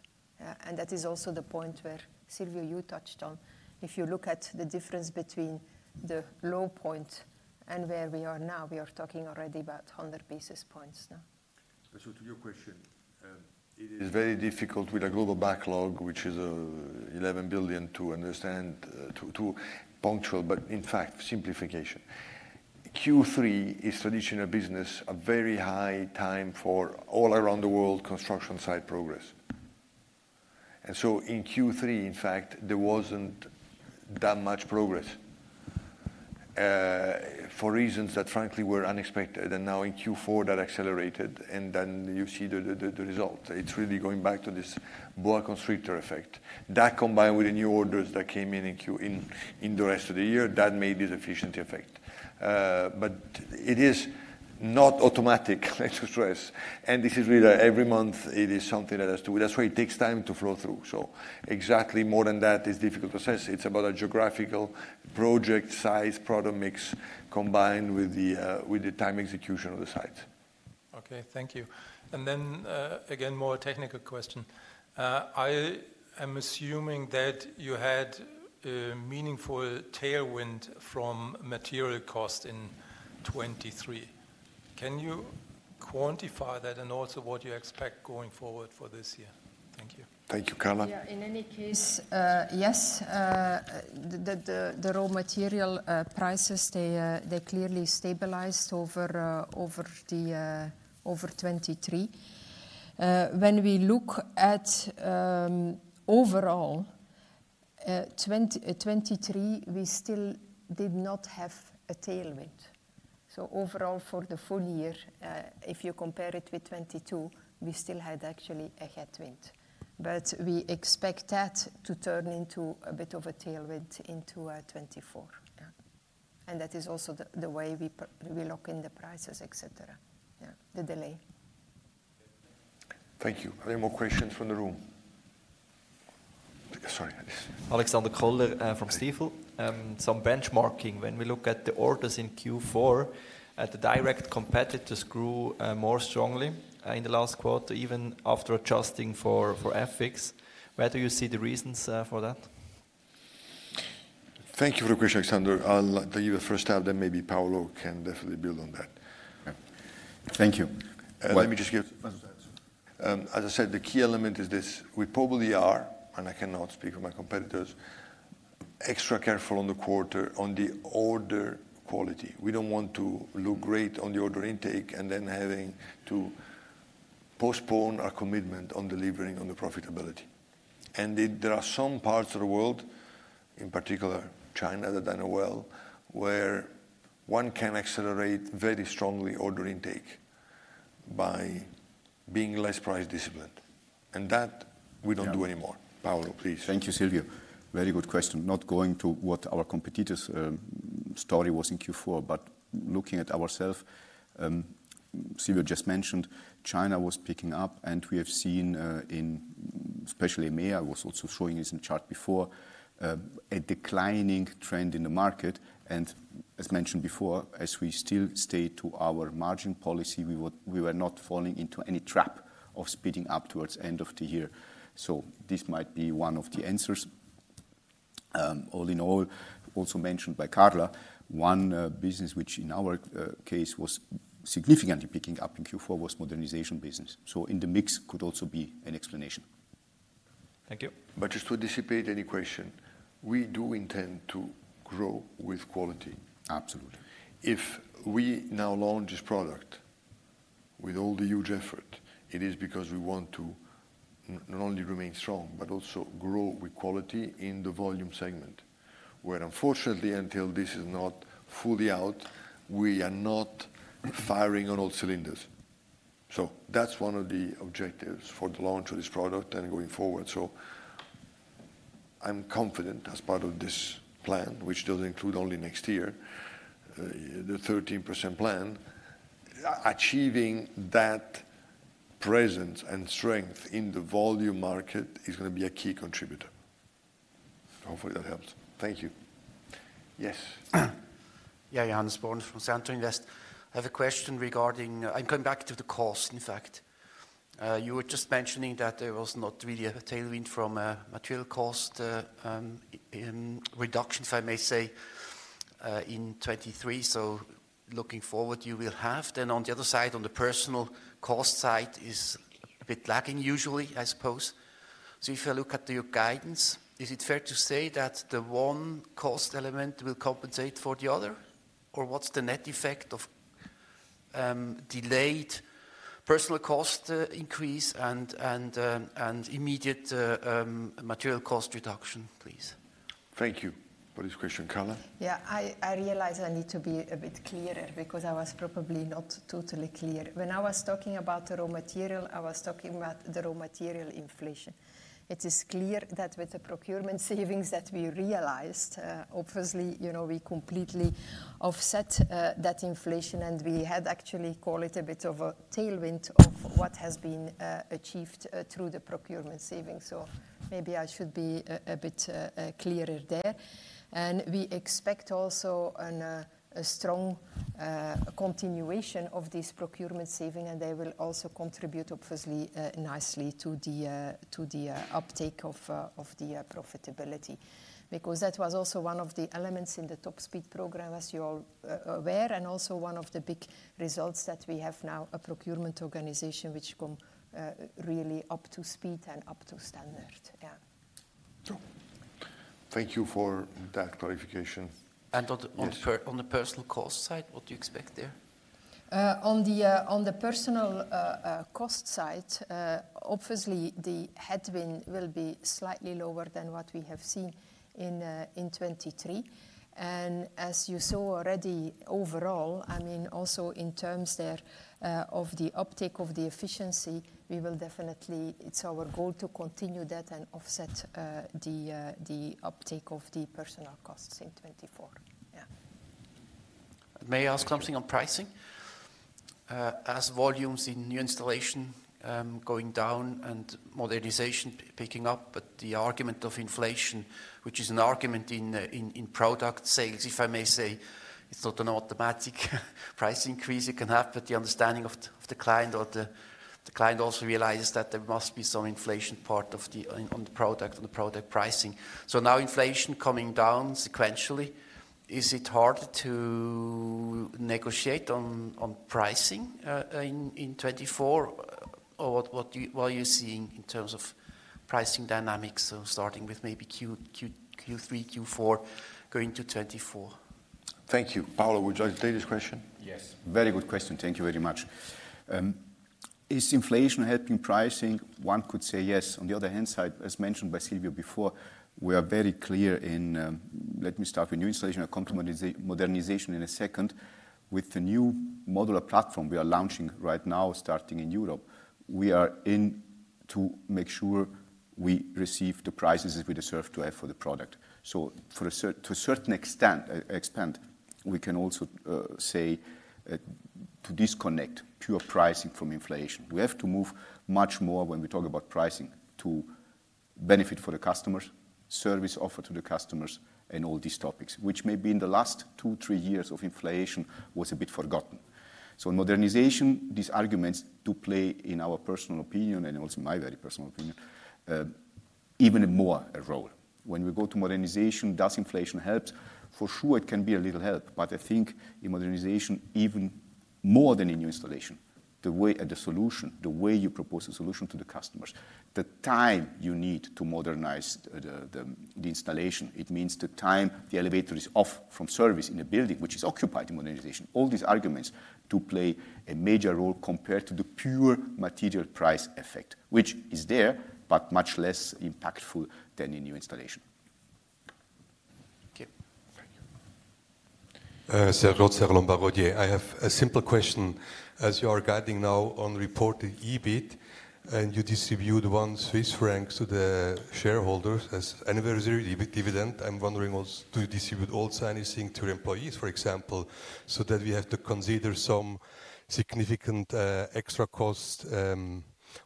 And that is also the point where Silvio, you touched on. If you look at the difference between the low point and where we are now, we are talking already about 100 basis points now. So to your question, it is very difficult with a global backlog, which is 11 billion, to understand too punctual, but in fact, simplification. Q3 is traditional business, a very high time for all around the world construction-side progress. And so in Q3, in fact, there wasn't that much progress for reasons that, frankly, were unexpected. And now in Q4, that accelerated, and then you see the result. It's really going back to this boa constrictor effect. That combined with the new orders that came in in the rest of the year, that made this efficiency effect. But it is not automatic, let's stress. And this is really every month, it is something that has to that's why it takes time to flow through. So exactly more than that is difficult to assess. It's about a geographical project size, product mix combined with the time execution of the sites. Okay. Thank you. And then again, more technical question. I am assuming that you had a meaningful tailwind from material cost in 2023. Can you quantify that and also what you expect going forward for this year? Thank you. Thank you, Carla. Yeah. In any case, yes. The raw material prices, they clearly stabilized over 2023. When we look at overall, 2023, we still did not have a tailwind. So overall, for the full year, if you compare it with 2022, we still had actually a headwind. But we expect that to turn into a bit of a tailwind into 2024. And that is also the way we lock in the prices, et cetera, the delay. Thank you. Any more questions from the room? Sorry. Alexander Koller from Stifel. Some benchmarking. When we look at the orders in Q4, the direct competitors grew more strongly in the last quarter, even after adjusting for FX. Where do you see the reasons for that? Thank you for the question, Alexander. I'll give it first to Albert. Then maybe Paolo can definitely build on that. Thank you. Let me just give a final answer. As I said, the key element is this. We probably are, and I cannot speak for my competitors, extra careful on the quarter on the order quality. We don't want to look great on the order intake and then having to postpone our commitment on delivering on the profitability. And there are some parts of the world, in particular China, that I know well, where one can accelerate very strongly order intake by being less price disciplined. And that we don't do anymore. Paolo, please. Thank you, Silvio. Very good question. Not going to what our competitors' story was in Q4, but looking at ourselves, Silvio just mentioned China was picking up, and we have seen in especially May, I was also showing this in the chart before, a declining trend in the market. And as mentioned before, as we still stay to our margin policy, we were not falling into any trap of speeding up towards the end of the year. So this might be one of the answers. All in all, also mentioned by Carla, one business which in our case was significantly picking up in Q4 was modernization business. So in the mix could also be an explanation. Thank you. But just to dissipate any question, we do intend to grow with quality. Absolutely. If we now launch this product with all the huge effort, it is because we want to not only remain strong but also grow with quality in the volume segment. Where unfortunately, until this is not fully out, we are not firing on all cylinders. So that's one of the objectives for the launch of this product and going forward. So I'm confident as part of this plan, which doesn't include only next year, the 13% plan, achieving that presence and strength in the volume market is going to be a key contributor. Hopefully, that helps. Thank you. Yes. Yeah. Johannes Born from CentreInvest. I have a question regarding, I'm coming back to the cost, in fact. You were just mentioning that there was not really a tailwind from material cost reduction, if I may say, in 2023. So looking forward, you will have. Then on the other side, on the personnel cost side, it is a bit lagging usually, I suppose. So if I look at your guidance, is it fair to say that the one cost element will compensate for the other? Or what's the net effect of delayed personnel cost increase and immediate material cost reduction? Please. Thank you for this question. Carla? Yeah. I realize I need to be a bit clearer because I was probably not totally clear. When I was talking about the raw material, I was talking about the raw material inflation. It is clear that with the procurement savings that we realized, obviously, we completely offset that inflation, and we had actually called it a bit of a tailwind of what has been achieved through the procurement savings. So maybe I should be a bit clearer there. And we expect also a strong continuation of this procurement saving, and they will also contribute, obviously, nicely to the uptake of the profitability because that was also one of the elements in the Top Speed program, as you're aware, and also one of the big results that we have now, a procurement organization which come really up to speed and up to standard. Yeah. Thank you for that clarification. On the personnel cost side, what do you expect there? On the personnel cost side, obviously, the headwind will be slightly lower than what we have seen in 2023. As you saw already, overall, I mean, also in terms thereof the uptake of the efficiency, we will definitely it's our goal to continue that and offset the uptake of the personnel costs in 2024. Yeah. May I ask something on pricing? As volumes in new installation going down and modernization picking up, but the argument of inflation, which is an argument in product sales, if I may say, it's not an automatic price increase it can have, but the understanding of the client or the client also realizes that there must be some inflation part on the product, on the product pricing. So now inflation coming down sequentially, is it harder to negotiate on pricing in 2024? Or what are you seeing in terms of pricing dynamics, starting with maybe Q3, Q4, going to 2024? Thank you. Paolo, would you like to take this question? Yes. Very good question. Thank you very much. Is inflation helping pricing? One could say yes. On the other hand side, as mentioned by Silvio before, we are very clear in let me start with new installation. I'll come to modernization in a second. With the new modular platform we are launching right now, starting in Europe, we are in to make sure we receive the prices that we deserve to have for the product. So to a certain extent, we can also say to disconnect pure pricing from inflation. We have to move much more when we talk about pricing to benefit for the customers, service offered to the customers, and all these topics, which maybe in the last two to three years of inflation was a bit forgotten. So modernization, these arguments do play in our personal opinion and also my very personal opinion, even more a role. When we go to modernization, does inflation help? For sure, it can be a little help. But I think in modernization, even more than in new installation, the way at the solution, the way you propose a solution to the customers, the time you need to modernize the installation, it means the time the elevator is off from service in a building, which is occupied in modernization. All these arguments do play a major role compared to the pure material price effect, which is there but much less impactful than in new installation. Thank you. Thank you. Serge Rotze, Lombard Odier, I have a simple question. As you are guiding now on reported EBIT, and you distribute 1 Swiss franc to the shareholders as an anniversary dividend, I'm wondering also, do you distribute all signing things to your employees, for example, so that we have to consider some significant extra cost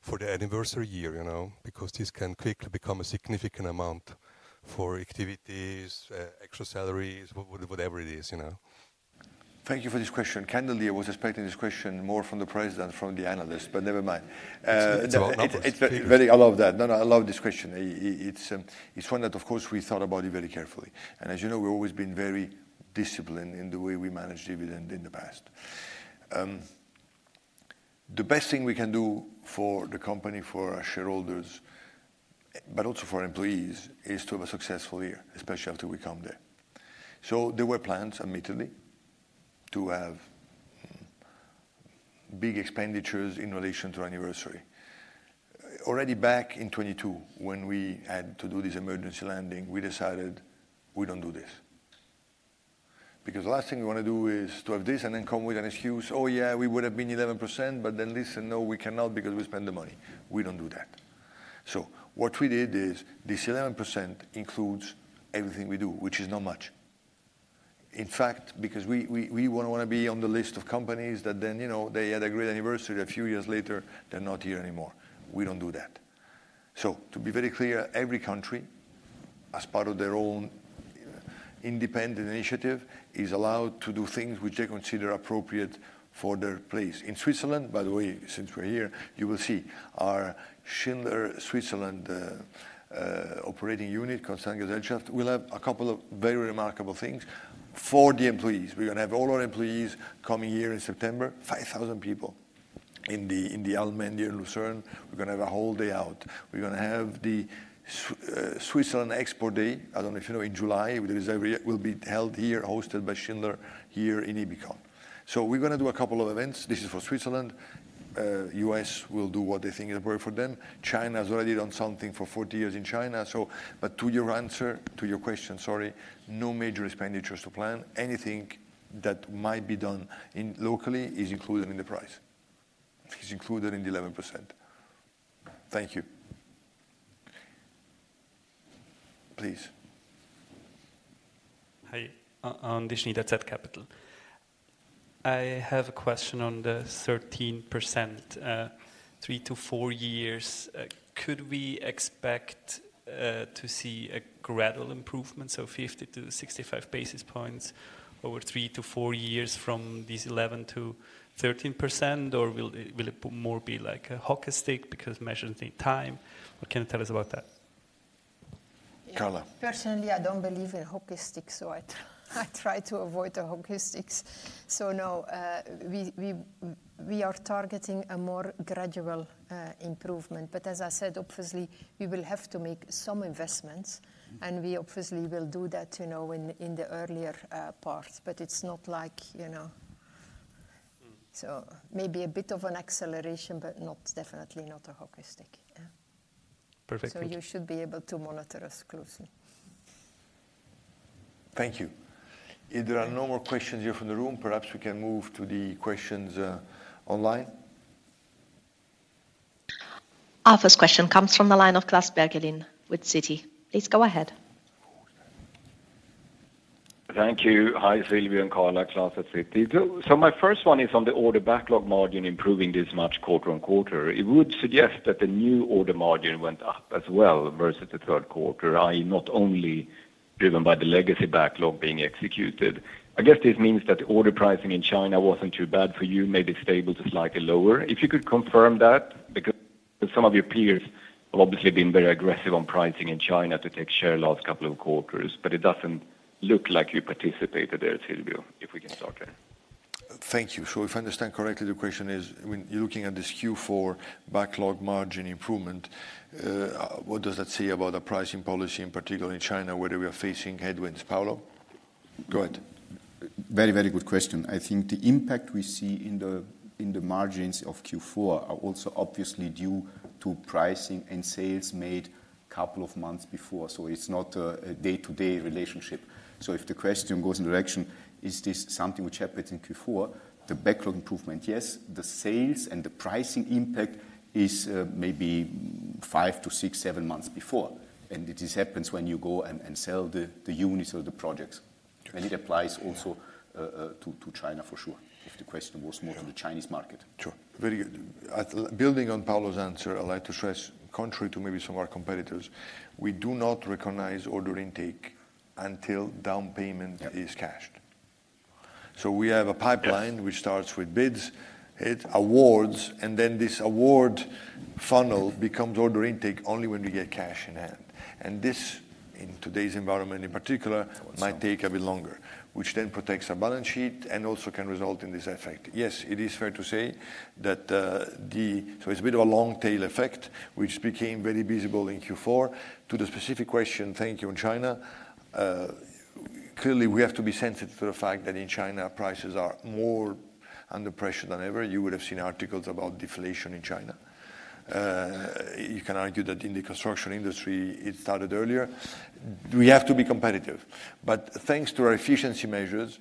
for the anniversary year because this can quickly become a significant amount for activities, extra salaries, whatever it is? Thank you for this question. Carla dear, I was expecting this question more from the president, from the analysts, but never mind. I love that. No, no. I love this question. It's one that, of course, we thought about it very carefully. And as you know, we've always been very disciplined in the way we manage dividend in the past. The best thing we can do for the company, for our shareholders, but also for our employees, is to have a successful year, especially after we come there. So there were plans, admittedly, to have big expenditures in relation to anniversary. Already back in 2022, when we had to do this emergency landing, we decided we don't do this because the last thing we want to do is to have this and then come with an excuse, "Oh, yeah, we would have been 11%, but then listen, no, we cannot because we spend the money." We don't do that. So what we did is this 11% includes everything we do, which is not much. In fact, because we want to be on the list of companies that then they had a great anniversary a few years later, they're not here anymore. We don't do that. So to be very clear, every country, as part of their own independent initiative, is allowed to do things which they consider appropriate for their place. In Switzerland, by the way, since we're here, you will see our Schindler Switzerland operating unit, Konzerngesellschaft will have a couple of very remarkable things for the employees. We're going to have all our employees coming here in September, 5,000 people in the Allmend in Lucerne. We're going to have a whole day out. We're going to have the Switzerland Export Day. I don't know if you know, in July, there will be held here, hosted by Schindler here in Ebikon. So we're going to do a couple of events. This is for Switzerland. U.S. will do what they think is appropriate for them. China has already done something for 40 years in China. But to your answer, to your question, sorry, no major expenditures to plan. Anything that might be done locally is included in the price. It's included in the 11%. Thank you. Please. Hi. I'm Dishney, that's at Capital. I have a question on the 13%. Three to four years, could we expect to see a gradual improvement, so 50-65 basis points over three to four years from these 11%-13%? Or will it more be like a hockey stick because it measures the time? What can you tell us about that? Carla. Personally, I don't believe in hockey sticks, so I try to avoid the hockey sticks. So no, we are targeting a more gradual improvement. But as I said, obviously, we will have to make some investments, and we obviously will do that in the earlier parts. But it's not like so maybe a bit of an acceleration, but definitely not a hockey stick. Perfect. You should be able to monitor us closely. Thank you. If there are no more questions here from the room, perhaps we can move to the questions online? Our first question comes from the line of Klas Bergelind with Citi. Please go ahead. Thank you. Hi, Silvio and Carla, Klas at Citi. My first one is on the order backlog margin improving this much quarter-over-quarter. It would suggest that the new order margin went up as well versus the third quarter, i.e., not only driven by the legacy backlog being executed. I guess this means that the order pricing in China wasn't too bad for you, maybe stable to slightly lower. If you could confirm that because some of your peers have obviously been very aggressive on pricing in China to take share last couple of quarters, but it doesn't look like you participated there, Silvio, if we can start there. Thank you. So if I understand correctly, the question is, I mean, you're looking at this Q4 backlog margin improvement. What does that say about the pricing policy, in particular in China, whether we are facing headwinds? Paolo? Go ahead. Very, very good question. I think the impact we see in the margins of Q4 are also obviously due to pricing and sales made a couple of months before. So it's not a day-to-day relationship. So if the question goes in the direction, is this something which happens in Q4? The backlog improvement, yes. The sales and the pricing impact is maybe five to six, seven months before. And this happens when you go and sell the units or the projects. And it applies also to China, for sure, if the question was more to the Chinese market. Sure. Very good. Building on Paolo's answer, I'd like to stress, contrary to maybe some of our competitors, we do not recognize order intake until down payment is cashed. So we have a pipeline which starts with bids, bid awards, and then this award funnel becomes order intake only when we get cash in hand. And this, in today's environment in particular, might take a bit longer, which then protects our balance sheet and also can result in this effect. Yes, it is fair to say that, so it's a bit of a long-tail effect, which became very visible in Q4. To the specific question, thank you, in China, clearly, we have to be sensitive to the fact that in China, prices are more under pressure than ever. You would have seen articles about deflation in China. You can argue that in the construction industry, it started earlier. We have to be competitive. But thanks to our efficiency measures,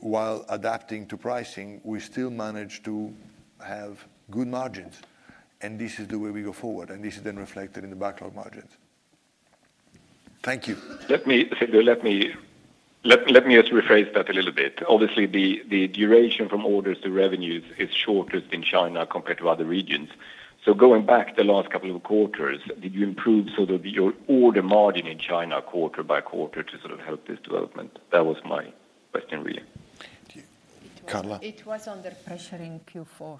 while adapting to pricing, we still manage to have good margins. And this is the way we go forward. And this is then reflected in the backlog margins. Thank you. Let me, Silvio, let me just rephrase that a little bit. Obviously, the duration from orders to revenues is shorter in China compared to other regions. So going back the last couple of quarters, did you improve sort of your order margin in China quarter by quarter to sort of help this development? That was my question, really. Carla. It was under pressure in Q4,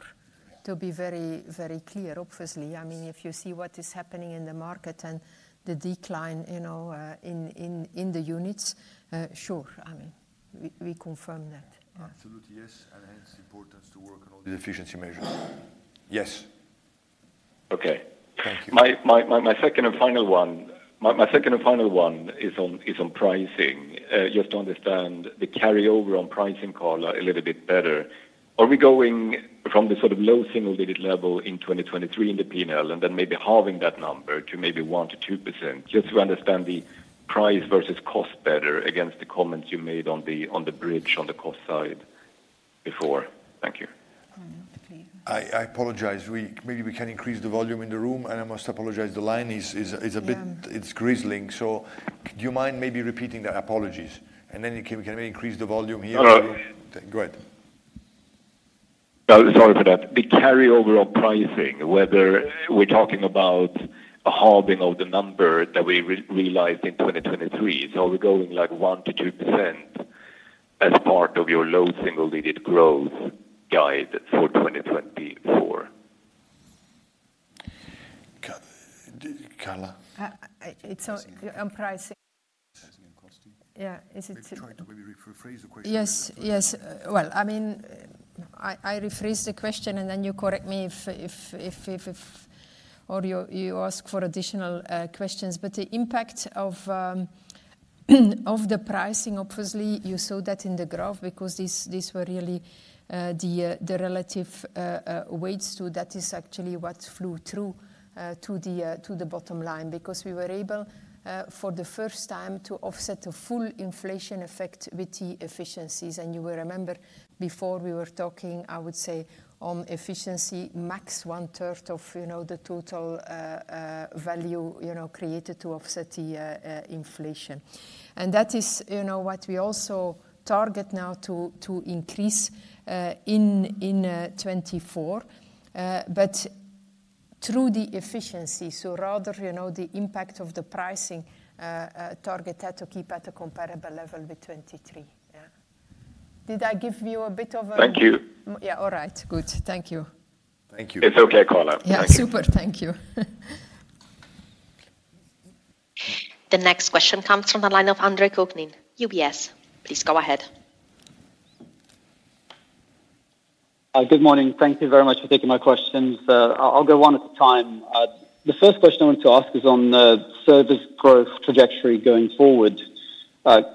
to be very, very clear, obviously. I mean, if you see what is happening in the market and the decline in the units, sure. I mean, we confirm that. Absolutely, yes. Hence, the importance to work on all these efficiency measures. Yes. Okay. Thank you. My second and final one is on pricing. You have to understand the carryover on pricing, Carla, a little bit better. Are we going from the sort of low single-digit level in 2023 in the P&L and then maybe halving that number to maybe 1%-2%? Just to understand the price versus cost better against the comments you made on the bridge, on the cost side before. Thank you. I apologize. Maybe we can increase the volume in the room, and I must apologize. The line is a bit, it's crackling. So do you mind maybe repeating that? Apologies. Then we can maybe increase the volume here. No. Go ahead. Sorry for that. The carryover on pricing, whether we're talking about a halving of the number that we realized in 2023, so are we going like 1%-2% as part of your low single-digit growth guide for 2024? Carla. It's on pricing. Pricing and costing? Yeah. Is it. Maybe try to rephrase the question. Yes. Yes. Well, I mean, I rephrased the question, and then you correct me if or you ask for additional questions. But the impact of the pricing, obviously, you saw that in the graph because these were really the relative weights too. That is actually what flowed through to the bottom line because we were able, for the first time, to offset the full inflation effect with the efficiencies. And you will remember, before, we were talking, I would say, on efficiency, max one-third of the total value created to offset the inflation. And that is what we also target now to increase in 2024. But through the efficiency, so rather the impact of the pricing targeted to keep at a comparable level with 2023. Did I give you a bit of a. Thank you. Yeah. All right. Good. Thank you. Thank you. It's okay, Carla. Thank you. Yeah. Super. Thank you. The next question comes from the line of Andre Kukhnin, UBS. Please go ahead. Good morning. Thank you very much for taking my questions. I'll go one at a time. The first question I wanted to ask is on the service growth trajectory going forward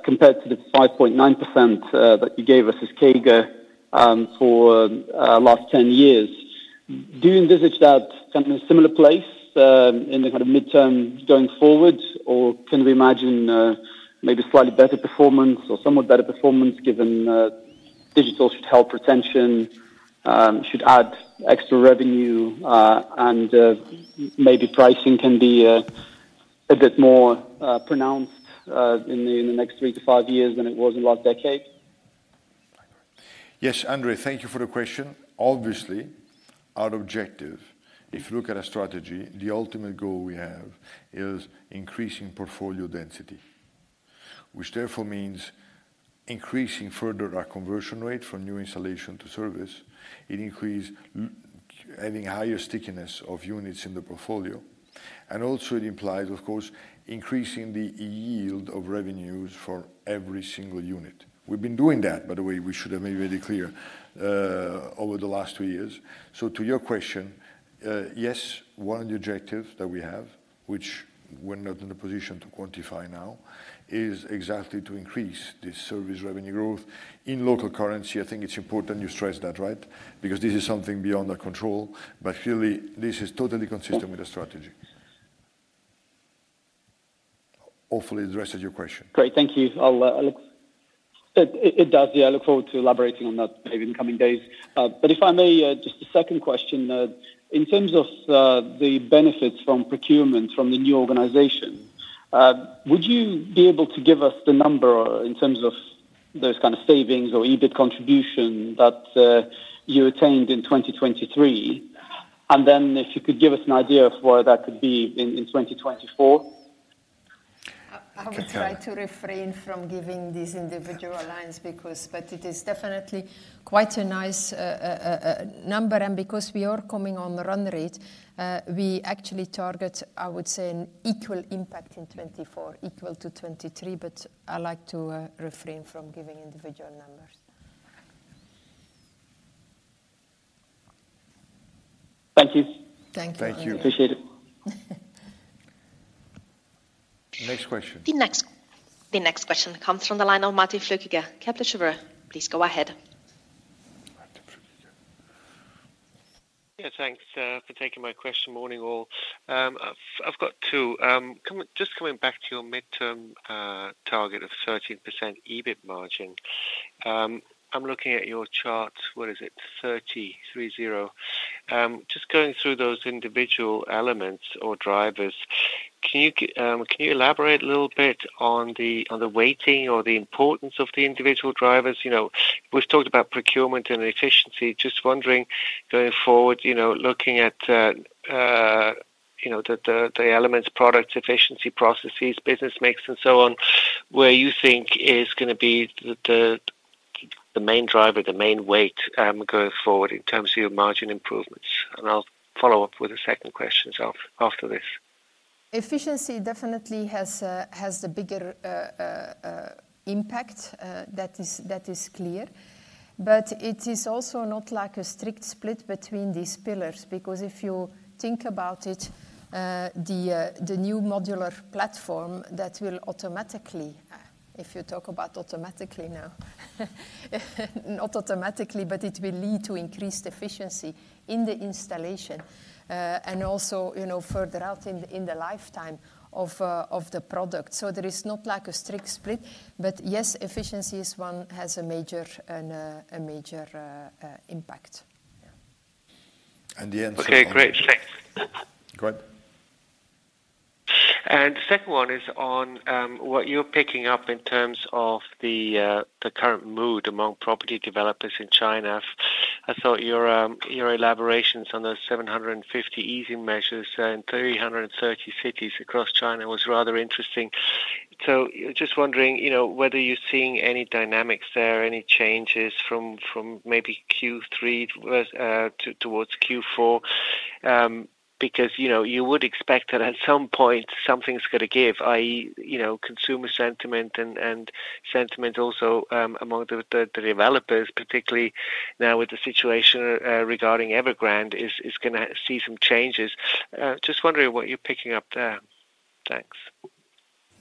compared to the 5.9% that you gave us as CAGR for the last 10 years. Do you envisage that kind of in a similar place in the kind of midterm going forward? Or can we imagine maybe slightly better performance or somewhat better performance given digital should help retention, should add extra revenue, and maybe pricing can be a bit more pronounced in the next three to five years than it was in the last decade? Yes, Andre, thank you for the question. Obviously, one objective, if you look at our strategy, the ultimate goal we have is increasing portfolio density, which therefore means increasing further our conversion rate from new installation to service. It increases having higher stickiness of units in the portfolio. And also, it implies, of course, increasing the yield of revenues for every single unit. We've been doing that, by the way. We should have made it very clear over the last two years. So to your question, yes, one of the objectives that we have, which we're not in the position to quantify now, is exactly to increase this service revenue growth in local currency. I think it's important you stressed that, right? Because this is something beyond our control. But clearly, this is totally consistent with our strategy. Hopefully, it addresses your question. Great. Thank you, Alex. It does, yeah. I look forward to elaborating on that maybe in the coming days. But if I may, just a second question. In terms of the benefits from procurement from the new organization, would you be able to give us the number in terms of those kind of savings or EBIT contribution that you attained in 2023? And then if you could give us an idea of where that could be in 2024? I would try to refrain from giving these individual lines because, but it is definitely quite a nice number. Because we are coming on the run rate, we actually target, I would say, an equal impact in 2024, equal to 2023. But I like to refrain from giving individual numbers. Thank you. Thank you. Thank you. Appreciate it. Next question. The next question comes from the line of Martin Flueckiger, Kepler Cheuvreux. Please go ahead. Yeah. Thanks for taking my question. Morning, all. I've got two. Just coming back to your midterm target of 13% EBIT margin, I'm looking at your chart. What is it? 30, 30. Just going through those individual elements or drivers, can you elaborate a little bit on the weighting or the importance of the individual drivers? We've talked about procurement and efficiency. Just wondering, going forward, looking at the elements, products, efficiency processes, business mix, and so on, where you think is going to be the main driver, the main weight going forward in terms of your margin improvements? And I'll follow up with the second questions after this. Efficiency definitely has the bigger impact. That is clear. But it is also not like a strict split between these pillars because if you think about it, the new modular platform that will automatically if you talk about automatically now, not automatically, but it will lead to increased efficiency in the installation and also further out in the lifetime of the product. So there is not like a strict split. But yes, efficiency is one has a major impact. And the answer. Okay. Great. Thanks. Go ahead. The second one is on what you're picking up in terms of the current mood among property developers in China. I thought your elaborations on those 750 easing measures in 330 cities across China was rather interesting. So just wondering whether you're seeing any dynamics there, any changes from maybe Q3 towards Q4 because you would expect that at some point, something's going to give, i.e., consumer sentiment and sentiment also among the developers, particularly now with the situation regarding Evergrande, is going to see some changes. Just wondering what you're picking up there. Thanks.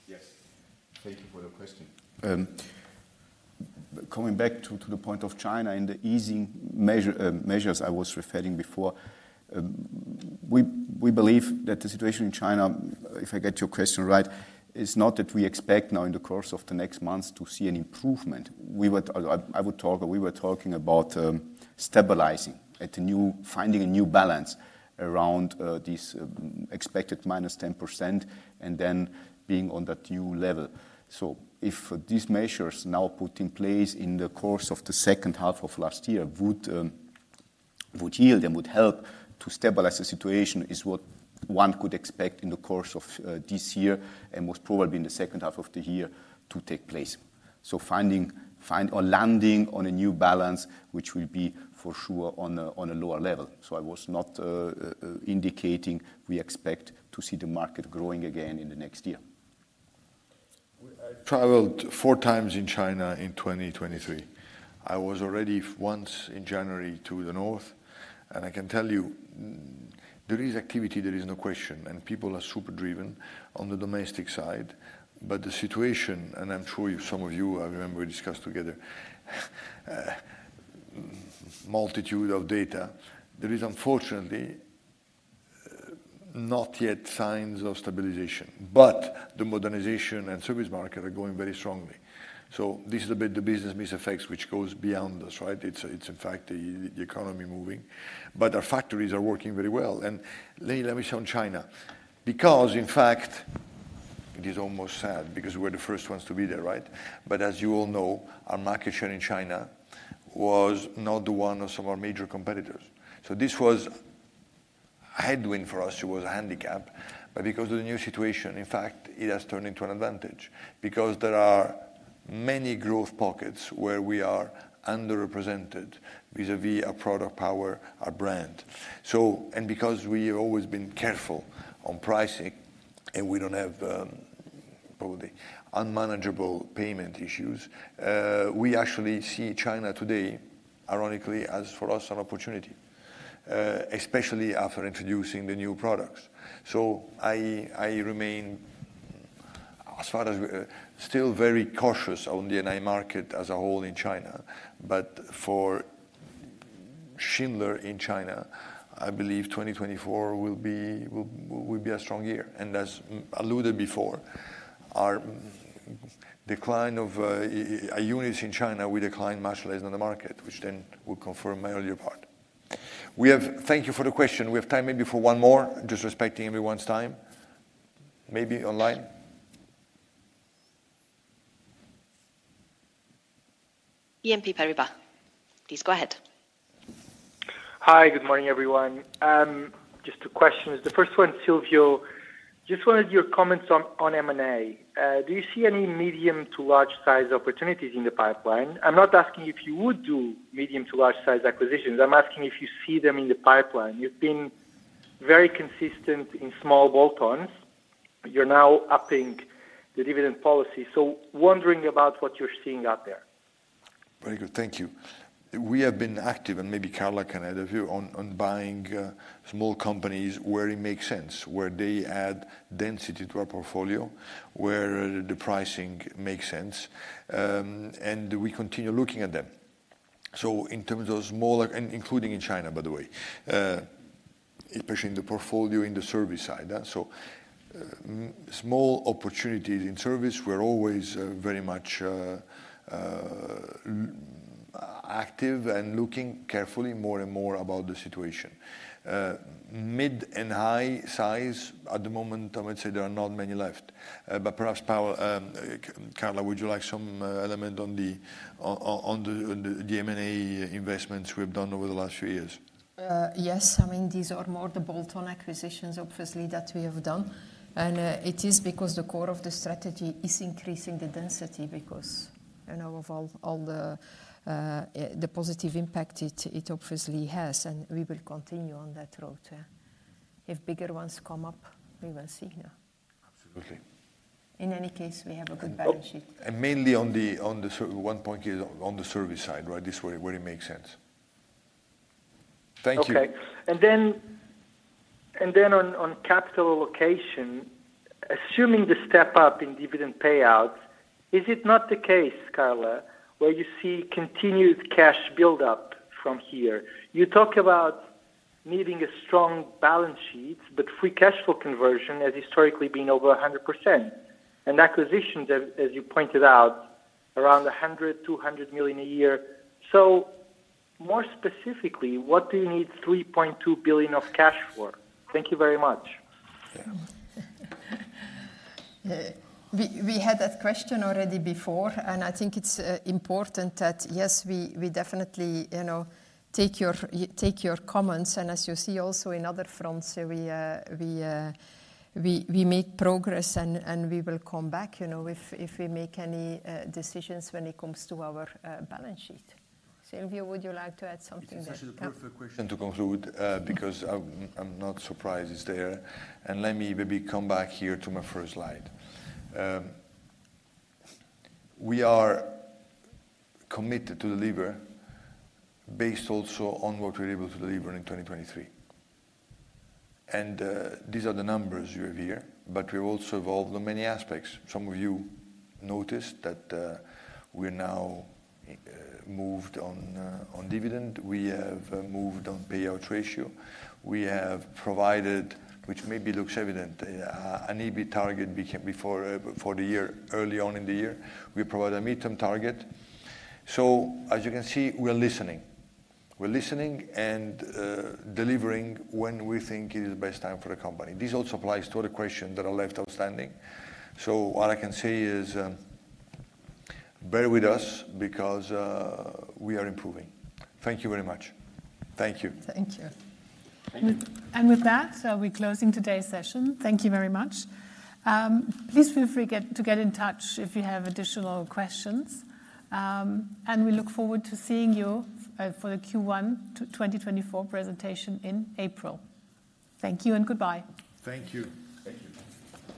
Yes. Thank you for the question. Coming back to the point of China and the easing measures I was referring before, we believe that the situation in China, if I get your question right, is not that we expect now in the course of the next months to see an improvement. I would talk or we were talking about stabilizing, finding a new balance around this expected -10% and then being on that new level. So if these measures now put in place in the course of the second half of last year would yield and would help to stabilize the situation, is what one could expect in the course of this year and most probably in the second half of the year to take place. So finding or landing on a new balance, which will be for sure on a lower level. So I was not indicating we expect to see the market growing again in the next year. I traveled four times in China in 2023. I was already once in January to the north. And I can tell you, there is activity. There is no question. And people are super driven on the domestic side. But the situation, and I'm sure some of you I remember we discussed together, multitude of data, there is, unfortunately, not yet signs of stabilization. But the modernization and service market are going very strongly. So this is a bit the business mix affects, which goes beyond us, right? It's, in fact, the economy moving. But our factories are working very well. And let me say on China, because, in fact, it is almost sad because we were the first ones to be there, right? But as you all know, our market share in China was not the one of some of our major competitors. So this was a headwind for us. It was a handicap. But because of the new situation, in fact, it has turned into an advantage because there are many growth pockets where we are underrepresented vis-à-vis our product power, our brand. And because we have always been careful on pricing and we don't have probably unmanageable payment issues, we actually see China today, ironically, as for us, an opportunity, especially after introducing the new products. So I remain, as far as still very cautious on the NI market as a whole in China. But for Schindler in China, I believe 2024 will be a strong year. As alluded before, our decline of our units in China, we decline much less than the market, which then will confirm my earlier part. Thank you for the question. We have time maybe for one more, just respecting everyone's time. Maybe online. BNP Paribas. Please go ahead. Hi. Good morning, everyone. Just two questions. The first one, Silvio. Just wanted your comments on M&A. Do you see any medium to large-size opportunities in the pipeline? I'm not asking if you would do medium to large-size acquisitions. I'm asking if you see them in the pipeline. You've been very consistent in small bolt-ons. You're now upping the dividend policy. So wondering about what you're seeing out there. Very good. Thank you. We have been active, and maybe Carla can add a view, on buying small companies where it makes sense, where they add density to our portfolio, where the pricing makes sense. And we continue looking at them. So in terms of small including in China, by the way, especially in the portfolio, in the service side. So small opportunities in service, we're always very much active and looking carefully more and more about the situation. Mid and high-size, at the moment, I would say there are not many left. But perhaps, Carla, would you like some element on the M&A investments we have done over the last few years? Yes. I mean, these are more the bolt-on acquisitions, obviously, that we have done. It is because the core of the strategy is increasing the density because of all the positive impact it obviously has. We will continue on that road. If bigger ones come up, we will see now. Absolutely. In any case, we have a good balance sheet. Mainly on the one point here on the service side, right? This is where it makes sense. Thank you. Okay. Then on capital allocation, assuming the step-up in dividend payouts, is it not the case, Carla, where you see continued cash build-up from here? You talk about needing a strong balance sheet, but free cash flow conversion has historically been over 100%. Acquisitions, as you pointed out, around 100-200 million a year. More specifically, what do you need 3.2 billion of cash for? Thank you very much. We had that question already before. I think it's important that, yes, we definitely take your comments. As you see, also in other fronts, we make progress, and we will come back if we make any decisions when it comes to our balance sheet. Silvio, would you like to add something there? It's actually the perfect question to conclude because I'm not surprised it's there. Let me maybe come back here to my first slide. We are committed to deliver based also on what we're able to deliver in 2023. These are the numbers you have here. We have also evolved on many aspects. Some of you noticed that we're now moved on dividend. We have moved on payout ratio. We have provided, which maybe looks evident, an EBIT target before the year, early on in the year. We provide a midterm target. As you can see, we're listening. We're listening and delivering when we think it is the best time for the company. This also applies to other questions that are left outstanding. All I can say is bear with us because we are improving. Thank you very much. Thank you. Thank you. With that, we're closing today's session. Thank you very much. Please feel free to get in touch if you have additional questions. We look forward to seeing you for the Q1 2024 presentation in April. Thank you and goodbye. Thank you. Thank you.